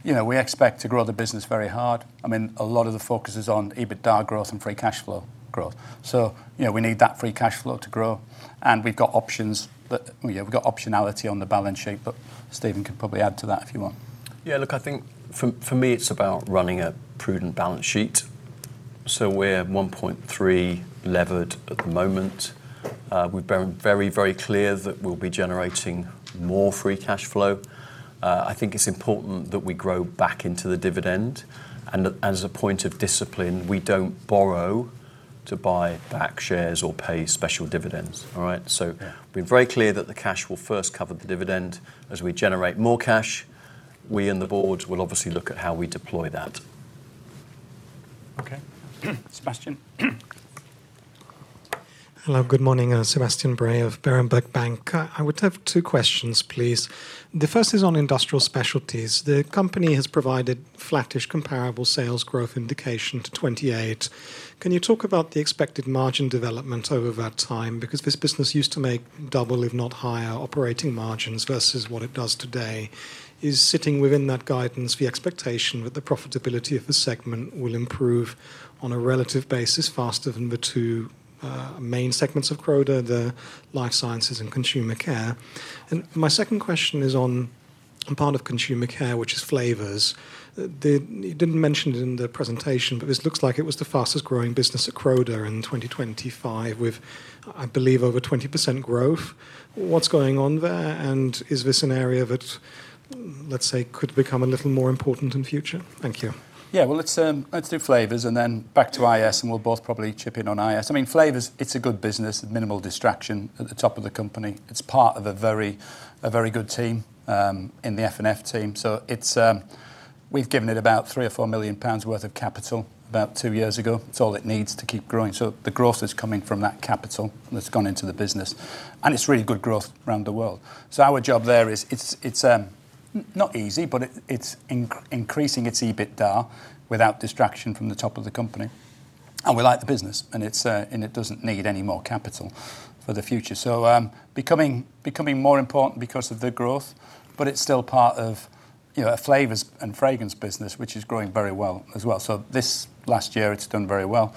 S1: You know, we expect to grow the business very hard. I mean, a lot of the focus is on EBITDA growth and free cash flow growth. You know, we need that free cash flow to grow, and we've got options, but, yeah, we've got optionality on the balance sheet, but Stephen can probably add to that, if you want.
S2: Yeah, look, I think for me, it's about running a prudent balance sheet. We're 1.3x levered at the moment. We've been very, very clear that we'll be generating more free cash flow. I think it's important that we grow back into the dividend, and as a point of discipline, we don't borrow to buy back shares or pay special dividends. All right?
S1: Yeah.
S2: We're very clear that the cash will first cover the dividend. As we generate more cash, we and the board will obviously look at how we deploy that.
S1: Okay. Sebastian?
S5: Hello. Good morning. Sebastian Bray of Berenberg Bank. I would have two questions, please. The first is on Industrial Specialties. The company has provided flattish comparable sales growth indication to 2028. Can you talk about the expected margin development over that time? Because this business used to make double, if not higher, operating margins versus what it does today. Is sitting within that guidance the expectation that the profitability of the segment will improve on a relative basis faster than the two main segments of Croda, the Life Sciences and Consumer Care? My second question is on part of Consumer Care, which is Flavours. You didn't mention it in the presentation, but this looks like it was the fastest growing business at Croda in 2025, with, I believe, over 20% growth. What's going on there, and is this an area that, let's say, could become a little more important in future? Thank you.
S1: Well, let's do Flavours and then back to IS, and we'll both probably chip in on IS. I mean, Flavours, it's a good business, minimal distraction at the top of the company. It's part of a very good team, in the F&F team. It's given it about 3 million or 4 million pounds worth of capital about two years ago. It's all it needs to keep growing. The growth is coming from that capital that's gone into the business, and it's really good growth around the world. Our job there is, it's not easy, but it's increasing its EBITDA without distraction from the top of the company. We like the business, and it doesn't need any more capital for the future. becoming more important because of the growth, but it's still part of, you know, a Flavours and Fragrances business, which is growing very well as well. This last year, it's done very well.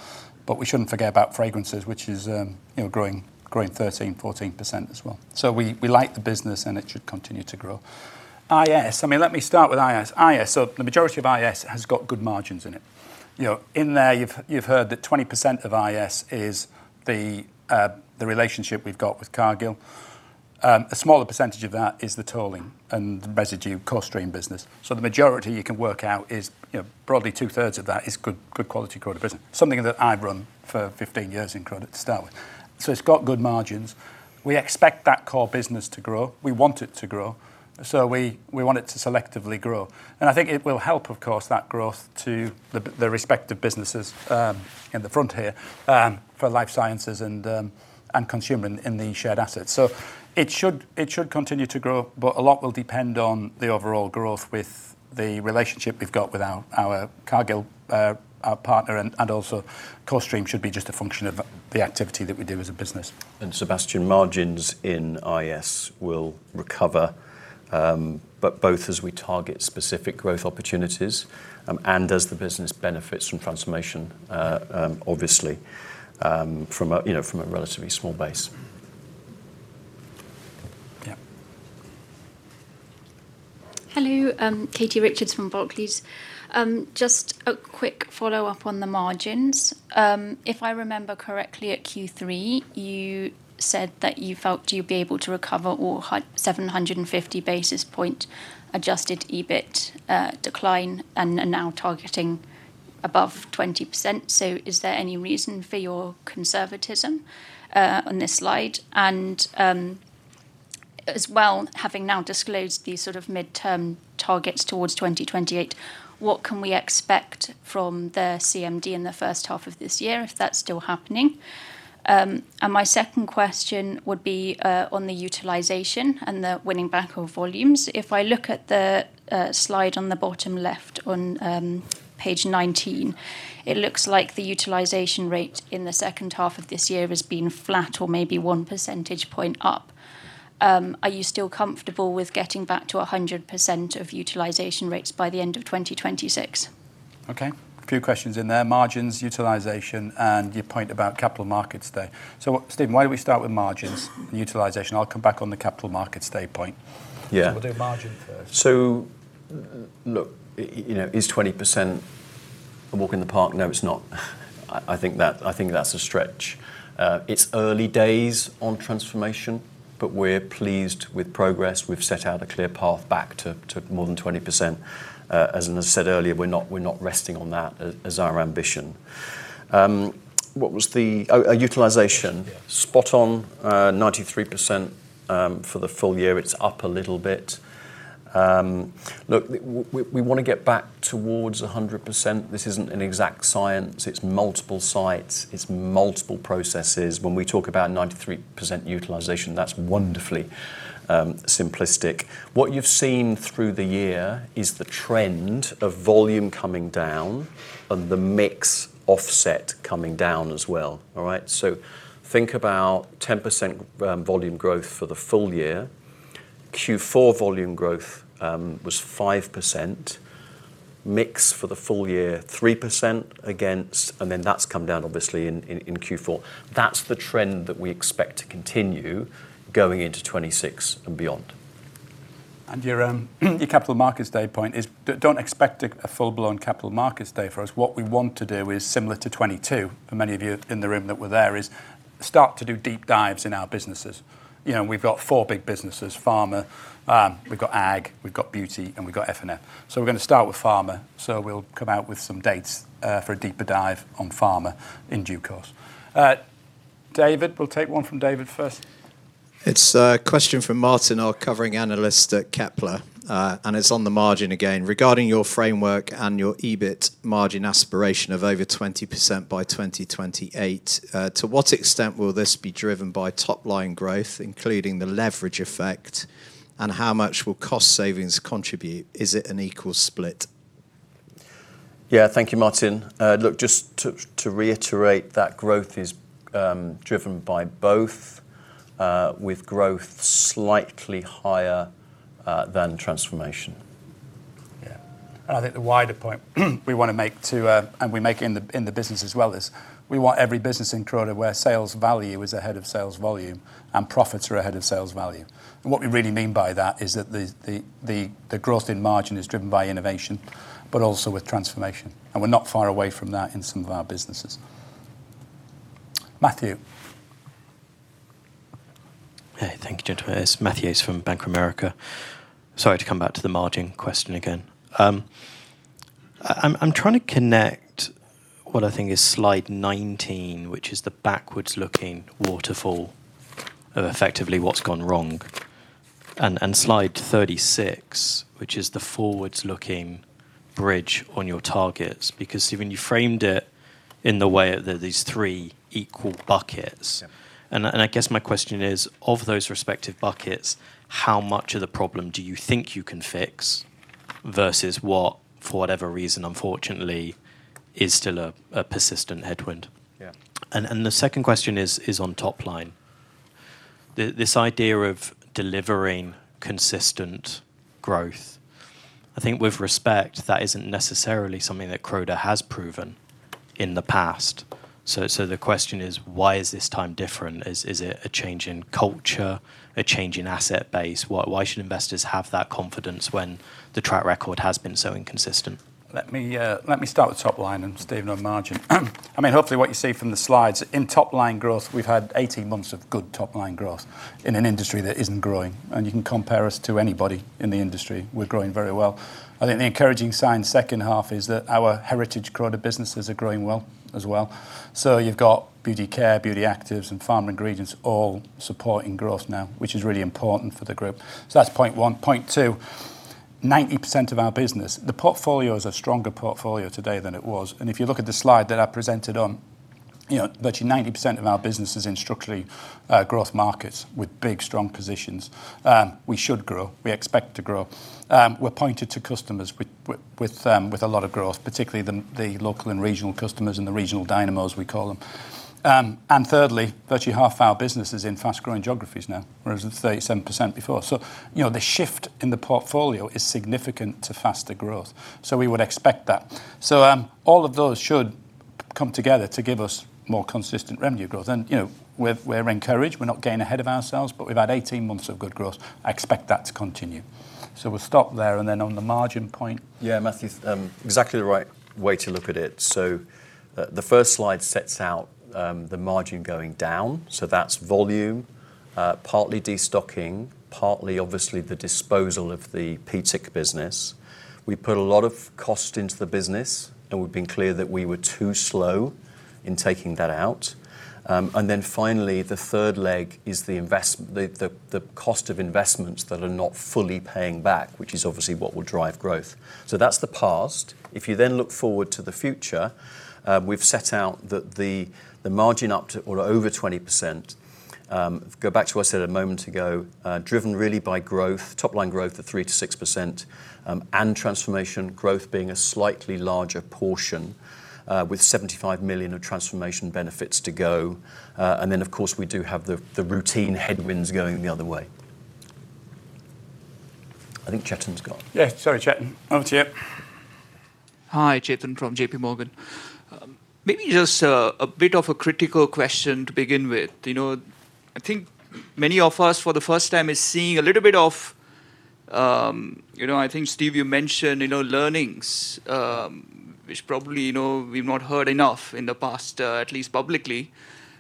S1: We shouldn't forget about fragrances, which is, you know, growing 13%, 14% as well. We like the business, and it should continue to grow. IS, I mean, let me start with IS. IS, the majority of IS has got good margins in it. You know, in there, you've heard that 20% of IS is the relationship we've got with Cargill. A smaller percentage of that is the tolling and residue cost stream business. The majority you can work out is, you know, broadly two-thirds of that is good quality Croda business, something that I've run for 15 years in Croda to start with. It's got good margins. We expect that core business to grow. We want it to grow, so we want it to selectively grow. I think it will help, of course, that growth to the respective businesses in the front here for Life Sciences and Consumer in the shared assets. It should continue to grow, but a lot will depend on the overall growth with the relationship we've got with our Cargill, our partner, and also, cost stream should be just a function of the activity that we do as a business.
S2: Sebastian, margins in IS will recover, but both as we target specific growth opportunities, and as the business benefits from transformation, obviously, from a, you know, from a relatively small base.
S1: Yeah.
S6: Hello, Katie Richards from Barclays. Just a quick follow-up on the margins. If I remember correctly, at Q3, you said that you felt you'd be able to recover or high-750 basis point adjusted EBIT decline, and are now targeting above 20%. Is there any reason for your conservatism on this slide? As well, having now disclosed these sort of midterm targets towards 2028, what can we expect from the CMD in the first half of this year, if that's still happening? My second question would be on the utilization and the winning back of volumes. If I look at the slide on the bottom left on page 19, it looks like the utilization rate in the second half of this year has been flat or maybe 1 percentage point up. Are you still comfortable with getting back to 100% of utilization rates by the end of 2026?
S1: Okay. A few questions in there: margins, utilization, and your point about Capital Markets Day. Stephen, why don't we start with margins and utilization? I'll come back on the Capital Markets Day point.
S2: Yeah.
S1: We'll do margin first.
S2: Look, you know, is 20% a walk in the park? No, it's not. I think that's a stretch. It's early days on transformation, but we're pleased with progress. We've set out a clear path back to more than 20%. As I said earlier, we're not resting on that as our ambition. What was the— Oh, utilization.
S1: Yeah.
S2: Spot on, 93% for the full year. It's up a little bit. Look, we wanna get back towards 100%. This isn't an exact science. It's multiple sites. It's multiple processes. When we talk about 93% utilization, that's wonderfully simplistic. What you've seen through the year is the trend of volume coming down and the mix offset coming down as well, all right? Think about 10% volume growth for the full year. Q4 volume growth was 5%. Mix for the full year, 3% against, and then that's come down obviously in Q4. That's the trend that we expect to continue going into 2026 and beyond.
S1: Your Capital Markets Day point is don't expect a full-blown Capital Markets Day for us. What we want to do is similar to 2022. For many of you in the room that were there, is start to do deep dives in our businesses. You know, we've got four big businesses, Pharma, we've got Ag, we've got Beauty, and we've got F&F. We're gonna start with Pharma, so we'll come out with some dates for a deeper dive on Pharma in due course. David, we'll take one from David first.
S7: It's a question from Martin, our covering analyst at Kepler. It's on the margin again. Regarding your framework and your EBIT margin aspiration of over 20% by 2028, to what extent will this be driven by top-line growth, including the leverage effect, and how much will cost savings contribute? Is it an equal split?
S2: Yeah. Thank you, Martin. Look, just to reiterate, that growth is driven by both, with growth slightly higher than transformation.
S1: Yeah. I think the wider point, we wanna make to, and we make in the, in the business as well, is we want every business in Croda where sales value is ahead of sales volume, and profits are ahead of sales value. What we really mean by that is that the growth in margin is driven by innovation, but also with transformation, and we're not far away from that in some of our businesses. Matthew?
S8: Hey, thank you, gentlemen. It's Matthew Yates from Bank of America. Sorry to come back to the margin question again. I'm trying to connect what I think is slide 19, which is the backwards-looking waterfall of effectively what's gone wrong, and slide 36, which is the forwards-looking bridge on your targets. Stephen, you framed it in the way of these three equal buckets.
S1: Yeah.
S8: I guess my question is, of those respective buckets, how much of the problem do you think you can fix versus what, for whatever reason, unfortunately, is still a persistent headwind?
S1: Yeah.
S8: The second question is on top line. This idea of delivering consistent growth, I think with respect, that isn't necessarily something that Croda has proven in the past. The question is: Why is this time different? Is it a change in culture, a change in asset base? Why should investors have that confidence when the track record has been so inconsistent?
S1: Let me, let me start with top line, and Stephen, on margin. I mean, hopefully, what you see from the slides, in top-line growth, we've had 18 months of good top-line growth in an industry that isn't growing, and you can compare us to anybody in the industry. We're growing very well. I think the encouraging sign second half is that our heritage Croda businesses are growing well as well. You've got Beauty Care, Beauty Actives, and Pharma Ingredients all supporting growth now, which is really important for the group. That's point one. Point two, 90% of our business, the portfolio is a stronger portfolio today than it was. If you look at the slide that I presented on, you know, virtually 90% of our business is in structurally growth markets with big, strong positions. We should grow. We expect to grow. We're pointed to customers with a lot of growth, particularly the local and regional customers, and the regional dynamos, we call them. Thirdly, virtually half of our business is in fast-growing geographies now, whereas it's 37% before. You know, the shift in the portfolio is significant to faster growth, so we would expect that. All of those should come together to give us more consistent revenue growth. You know, we're encouraged. We're not getting ahead of ourselves, but we've had 18 months of good growth. I expect that to continue. We'll stop there, and then on the margin point-
S2: Matthew, exactly the right way to look at it. The first slide sets out the margin going down, so that's volume, partly destocking, partly, obviously, the disposal of the PTIC business. We put a lot of cost into the business. We've been clear that we were too slow in taking that out. Finally, the third leg is the cost of investments that are not fully paying back, which is obviously what will drive growth. That's the past. If you look forward to the future, we've set out that the margin up to or over 20%, go back to what I said a moment ago, driven really by growth, top-line growth of 3%-6%, transformation growth being a slightly larger portion, with 75 million of transformation benefits to go. Of course, we do have the routine headwinds going the other way. I think Chetan's.
S1: Yeah, sorry, Chetan. Over to you.
S9: Hi, Chetan from JPMorgan. Maybe just a bit of a critical question to begin with. You know, I think many of us, for the first time, is seeing a little bit of. You know, I think, Steve, you mentioned, you know, learnings, which probably, you know, we've not heard enough in the past, at least publicly.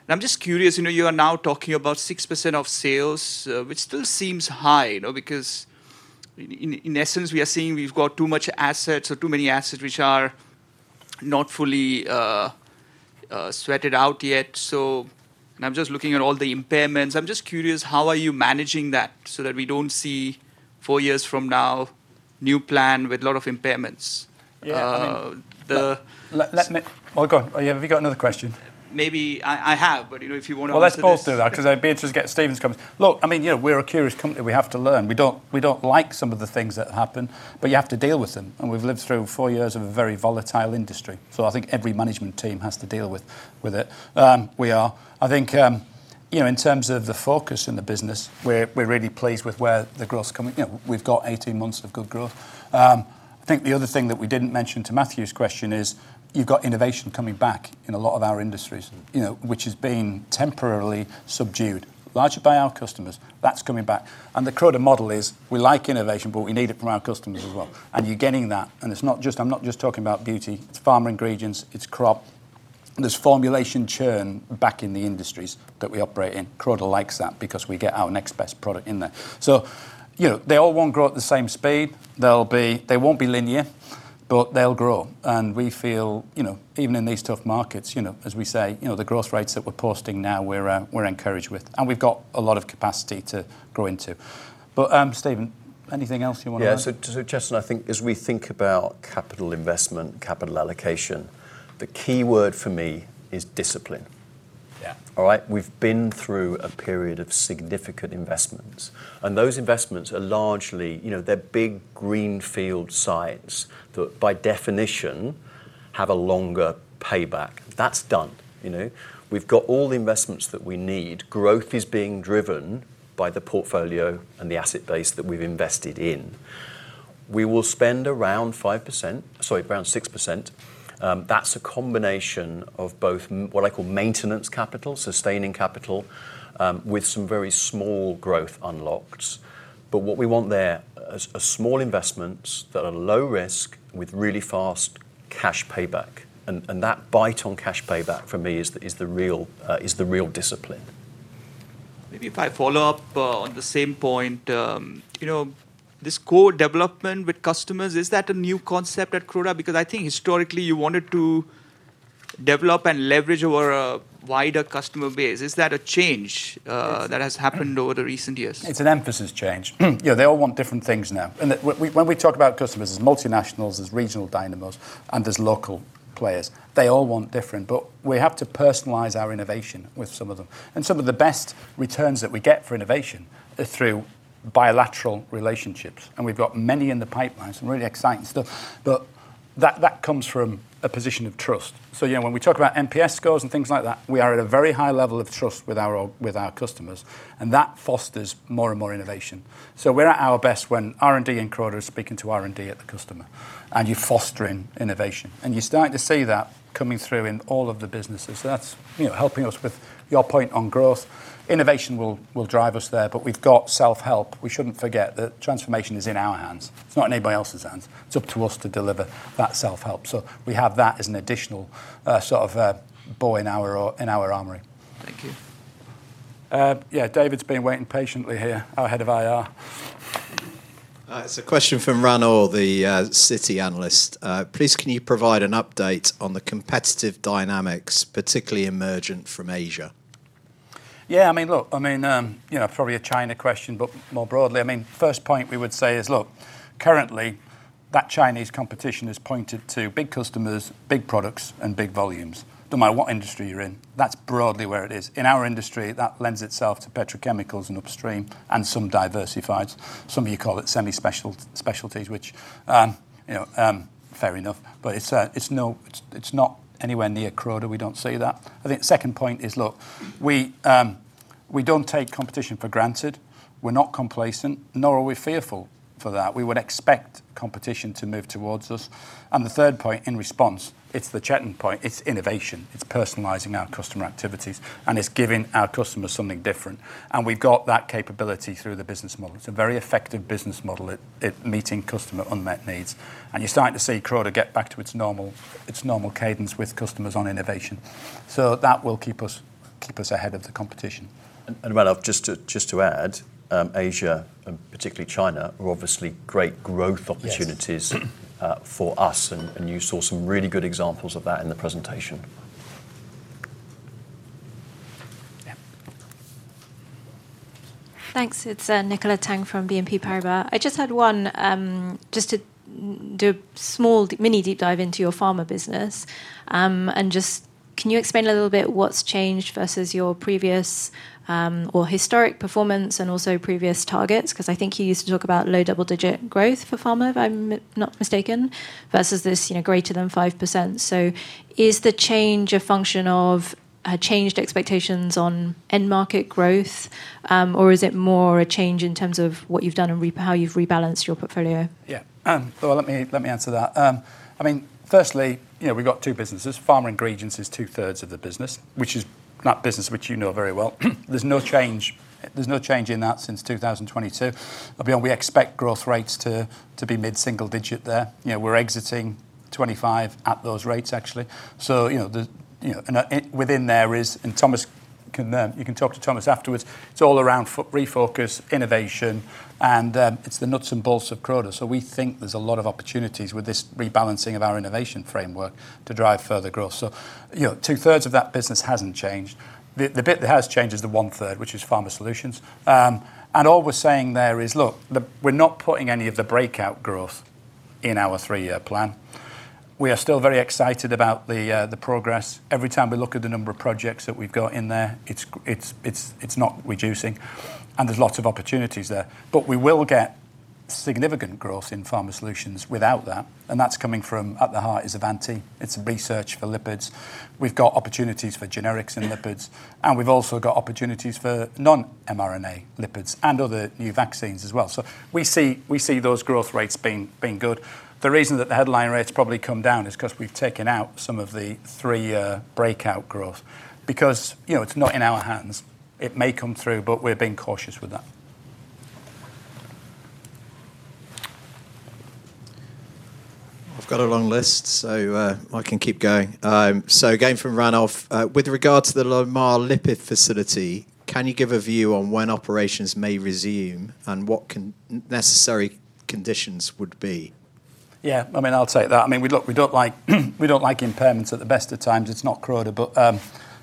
S9: I'm just curious, you know, you are now talking about 6% of sales, which still seems high, you know, because in essence, we are seeing we've got too much assets or too many assets which are not fully sweated out yet. I'm just looking at all the impairments. I'm just curious, how are you managing that so that we don't see, four years from now, new plan with a lot of impairments?
S1: Yeah, I mean.
S9: Uh, the-
S1: let me. Oh, go on. Have you got another question?
S9: Maybe I have, but, you know, if you wanna answer this.
S1: Let's pause to that, 'cause I'd be interested to get Stephen's comments. I mean, you know, we're a curious company. We have to learn. We don't like some of the things that happen, but you have to deal with them, and we've lived through four years of a very volatile industry. I think every management team has to deal with it. We are. I think. You know, in terms of the focus in the business, we're really pleased with where the growth's coming. You know, we've got 18 months of good growth. I think the other thing that we didn't mention to Matthew's question is, you've got innovation coming back in a lot of our industries, you know, which has been temporarily subdued, largely by our customers. That's coming back. The Croda model is: we like innovation, but we need it from our customers as well, and you're getting that. I'm not just talking about Beauty, it's Pharma ingredients, it's Crop. There's formulation churn back in the industries that we operate in. Croda likes that because we get our next best product in there. You know, they all won't grow at the same speed. They won't be linear, but they'll grow. We feel, you know, even in these tough markets, you know, as we say, you know, the growth rates that we're posting now, we're encouraged with, and we've got a lot of capacity to grow into. Stephen, anything else you want to add?
S2: Yeah. Justin, I think as we think about capital investment, capital allocation, the key word for me is discipline.
S1: Yeah.
S2: All right? We've been through a period of significant investments. Those investments are largely, you know, they're big greenfield sites that, by definition, have a longer payback. That's done, you know? We've got all the investments that we need. Growth is being driven by the portfolio and the asset base that we've invested in. We will spend around 6%. That's a combination of both what I call maintenance capital, sustaining capital, with some very small growth unlocked. What we want there are small investments that are low risk with really fast cash payback, and that bite on cash payback, for me, is the real discipline.
S9: Maybe if I follow up, on the same point. You know, this co-development with customers, is that a new concept at Croda? Because I think historically, you wanted to develop and leverage over a wider customer base. Is that a change that has happened over the recent years?
S1: It's an emphasis change. Yeah, they all want different things now. When we talk about customers, there's multinationals, there's regional dynamos, and there's local players. They all want different, but we have to personalize our innovation with some of them. Some of the best returns that we get for innovation are through bilateral relationships, and we've got many in the pipeline, some really exciting stuff. That comes from a position of trust. Yeah, when we talk about NPS scores and things like that, we are at a very high level of trust with our customers, and that fosters more and more innovation. We're at our best when R&D and Croda are speaking to R&D at the customer, and you're fostering innovation, and you're starting to see that coming through in all of the businesses. That's, you know, helping us with your point on growth. Innovation will drive us there, we've got self-help. We shouldn't forget that transformation is in our hands. It's not in anybody else's hands. It's up to us to deliver that self-help. We have that as an additional, sort of, bow in our armory.
S9: Thank you.
S1: Yeah, David's been waiting patiently here, our Head of IR.
S7: It's a question from Ranulf, the Citi analyst. Please, can you provide an update on the competitive dynamics, particularly emergent from Asia?
S1: Yeah, I mean, look, I mean, you know, probably a China question, but more broadly. I mean, first point we would say is, look, currently, that Chinese competition is pointed to big customers, big products, and big volumes. No matter what industry you're in, that's broadly where it is. In our industry, that lends itself to petrochemicals and upstream and some diversified. Some of you call it semi-specialties, which, you know, fair enough, but it's not anywhere near Croda. We don't see that. I think second point is, look, we don't take competition for granted. We're not complacent, nor are we fearful for that. We would expect competition to move towards us. The third point in response, it's the Chetan point: it's innovation, it's personalizing our customer activities, and it's giving our customers something different. We've got that capability through the business model. It's a very effective business model at meeting customer unmet needs. You're starting to see Croda get back to its normal cadence with customers on innovation. That will keep us ahead of the competition.
S2: Ranulf, just to add, Asia, and particularly China, are obviously great growth opportunities.
S1: Yes.
S2: For us, and you saw some really good examples of that in the presentation.
S1: Yeah.
S10: Thanks. It's Nicola Tang from BNP Paribas. I just had one, just to do a small, mini deep dive into your Pharma business. Just, can you explain a little bit what's changed versus your previous, or historic performance and also previous targets? 'Cause I think you used to talk about low double-digit growth for Pharma, if I'm not mistaken, versus this, you know, greater than 5%. Is the change a function of changed expectations on end market growth, or is it more a change in terms of what you've done and how you've rebalanced your portfolio?
S1: Yeah. Well, let me answer that. I mean, firstly, you know, we've got two businesses. Pharma ingredients is 2/3 of the business, which is that business which you know very well. There's no change in that since 2022. Beyond we expect growth rates to be mid-single digit there. You know, we're exiting 25 at those rates, actually. You know, and within there is. Thomas can. You can talk to Thomas afterwards. It's all around refocus, innovation, and it's the nuts and bolts of Croda. We think there's a lot of opportunities with this rebalancing of our innovation framework to drive further growth. You know, 2/3 of that business hasn't changed. The bit that has changed is the 1/3, which is Pharma solutions. All we're saying there is, look, we're not putting any of the breakout growth in our three-year plan. We are still very excited about the progress. Every time we look at the number of projects that we've got in there, it's not reducing, and there's lots of opportunities there. We will get significant growth in Pharma solutions without that, and that's coming from, at the heart, is Avanti. It's research for lipids. We've got opportunities for generics and lipids, and we've also got opportunities for non-mRNA lipids and other new vaccines as well. We see those growth rates being good. The reason that the headline rates probably come down is 'cause we've taken out some of the three-year breakout growth because, you know, it's not in our hands. It may come through, but we're being cautious with that.
S7: I've got a long list, so, I can keep going. Going from Ranulf, with regard to the Lamar lipid facility, can you give a view on when operations may resume, and what necessary conditions would be?
S1: Yeah, I mean, I'll take that. I mean, we don't like impairments at the best of times. It's not Croda, but,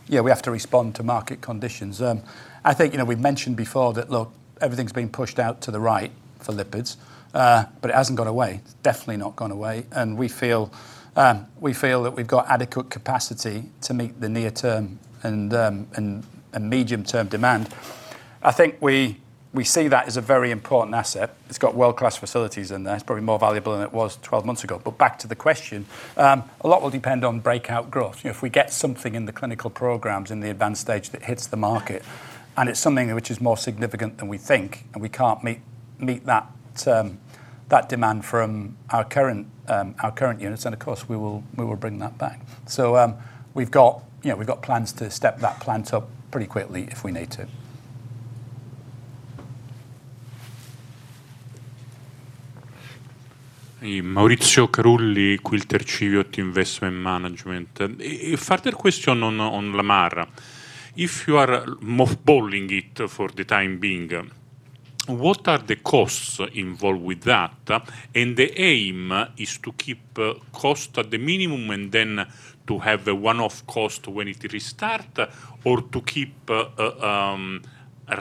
S1: yeah, we have to respond to market conditions. I think, you know, we've mentioned before that, look, everything's been pushed out to the right for lipids, but it hasn't gone away. It's definitely not gone away, and we feel, we feel that we've got adequate capacity to meet the near-term and medium-term demand. I think we see that as a very important asset. It's got world-class facilities in there. It's probably more valuable than it was 12 months ago. Back to the question, a lot will depend on breakout growth. You know, if we get something in the clinical programs in the advanced stage that hits the market, and it's something which is more significant than we think, and we can't meet that demand from our current units, of course, we will bring that back. We've got, you know, we've got plans to step that plant up pretty quickly if we need to.
S11: A further question on Lamar. If you are mothballing it for the time being, what are the costs involved with that? The aim is to keep cost at the minimum and then to have a one-off cost when it restart, or to keep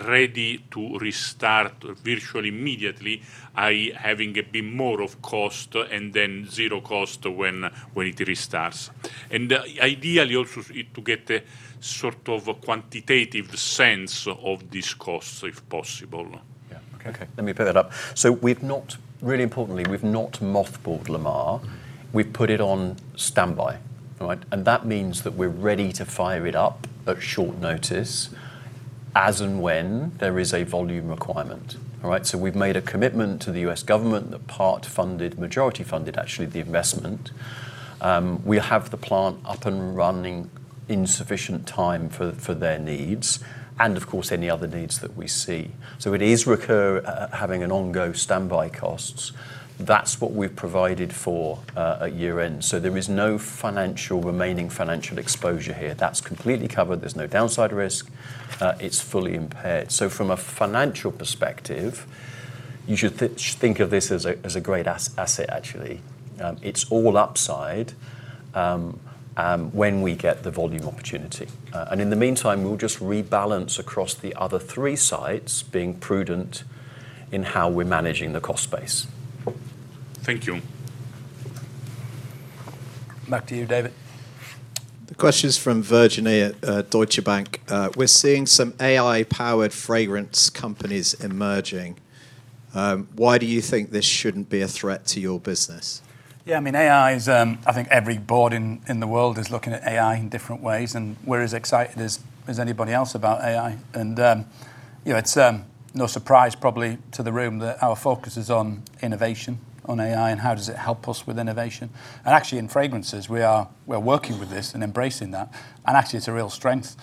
S11: ready to restart virtually immediately, i.e., having a bit more of cost and then zero cost when it restarts? Ideally, also, to get a sort of a quantitative sense of this cost, if possible.
S1: Yeah.
S2: Let me pick that up. Really importantly, we've not mothballed Lamar. We've put it on standby, all right? That means that we're ready to fire it up at short notice, as and when there is a volume requirement. All right? We've made a commitment to the U.S. government that part-funded, majority-funded, actually, the investment. We have the plant up and running in sufficient time for their needs and, of course, any other needs that we see. It is having an ongoing standby costs. That's what we've provided for at year end. There is no remaining financial exposure here. That's completely covered. There's no downside risk. It's fully impaired. From a financial perspective, you should think of this as a great asset, actually. It's all upside, when we get the volume opportunity. In the meantime, we'll just rebalance across the other three sites, being prudent in how we're managing the cost base.
S11: Thank you.
S1: Back to you, David.
S7: The question's from Virginie at Deutsche Bank. We're seeing some AI-powered fragrance companies emerging. Why do you think this shouldn't be a threat to your business?
S1: Yeah, I mean, AI is. I think every board in the world is looking at AI in different ways, and we're as excited as anybody else about AI. You know, it's no surprise probably to the room that our focus is on innovation, on AI, and how does it help us with innovation. Actually, in fragrances, we're working with this and embracing that, and actually, it's a real strength.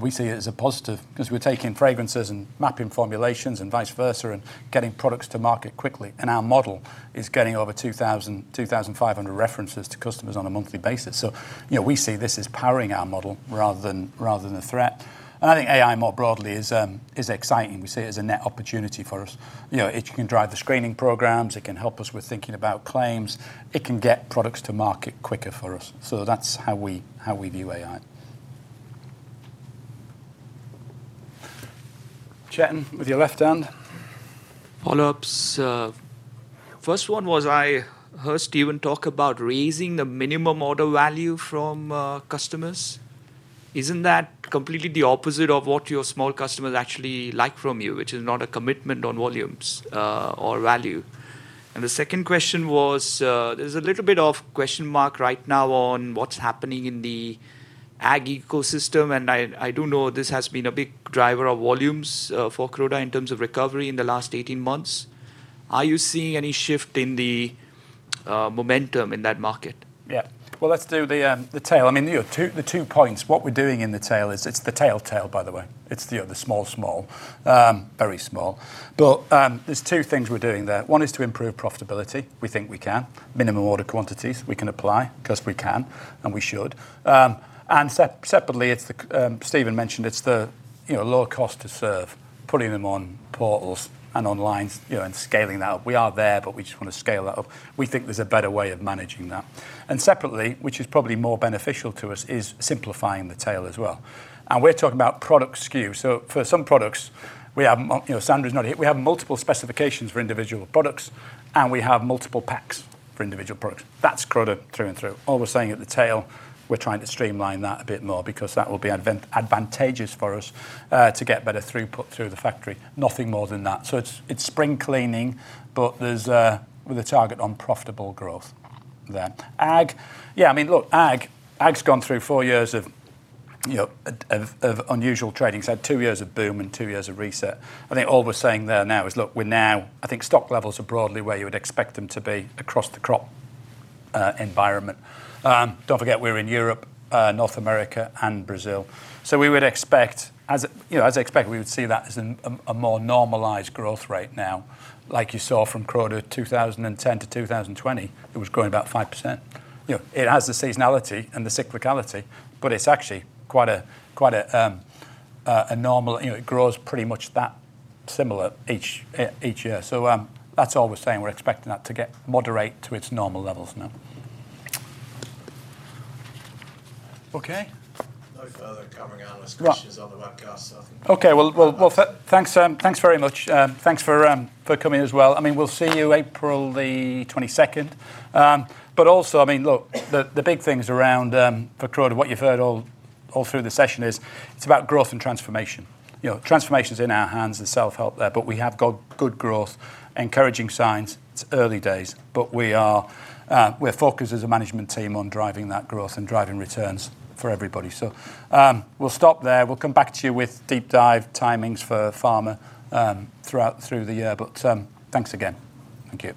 S1: We see it as a positive because we're taking fragrances and mapping formulations and vice versa and getting products to market quickly. Our model is getting over 2,000-2,500 references to customers on a monthly basis. You know, we see this as powering our model rather than a threat. I think AI, more broadly, is exciting. We see it as a net opportunity for us. You know, it can drive the screening programs, it can help us with thinking about claims, it can get products to market quicker for us. That's how we view AI. Chetan, with your left hand.
S9: Follow-ups. First one was, I heard Stephen talk about raising the minimum order value from customers. Isn't that completely the opposite of what your small customers actually like from you, which is not a commitment on volumes or value? The second question was, there's a little bit of question mark right now on what's happening in the Ag ecosystem, and I do know this has been a big driver of volumes for Croda in terms of recovery in the last 18 months. Are you seeing any shift in the momentum in that market?
S1: Yeah. Well, let's do the tail. I mean, you know, the two points. What we're doing in the tail, it's the tail, by the way. It's, you know, the small, very small. There's two things we're doing there. One is to improve profitability. We think we can. Minimum order quantities we can apply 'cause we can, and we should. Separately, it's the Stephen mentioned, it's the, you know, lower cost to serve, putting them on portals and online, you know, scaling that up. We are there, but we just wanna scale that up. We think there's a better way of managing that. Separately, which is probably more beneficial to us, is simplifying the tail as well. We're talking about product SKU. For some products, we have, you know, Sandra's not here. We have multiple specifications for individual products. We have multiple packs for individual products. That's Croda through and through. All we're saying at the tail, we're trying to streamline that a bit more because that will be advantageous for us to get better throughput through the factory. Nothing more than that. It's spring cleaning, but there's with a target on profitable growth there. Ag. Yeah, I mean, look, ag's gone through four years of, you know, of unusual trading. It's had two years of boom and two years of reset. I think all we're saying there now is, look, I think stock levels are broadly where you would expect them to be across the Crop environment. Don't forget, we're in Europe, North America, and Brazil. we would expect, as, you know, as expected, we would see that as a more normalized growth rate now. Like you saw from Croda 2010 to 2020, it was growing about 5%. You know, it has the seasonality and the cyclicality, but it's actually quite a, quite a normal. You know, it grows pretty much that similar each year. That's all we're saying. We're expecting that to get moderate to its normal levels now. Okay?
S7: No further covering analyst questions on the webcast, so I think.
S1: Okay. Well, thanks very much. Thanks for coming as well. I mean, we'll see you April the 22nd. Also, I mean, look, the big things around for Croda, what you've heard all through the session is, it's about growth and transformation. You know, transformation's in our hands and self-help there, we have got good growth, encouraging signs. It's early days, we are, we're focused as a management team on driving that growth and driving returns for everybody. We'll stop there. We'll come back to you with deep dive timings for Pharma through the year. Thanks again.
S2: Thank you.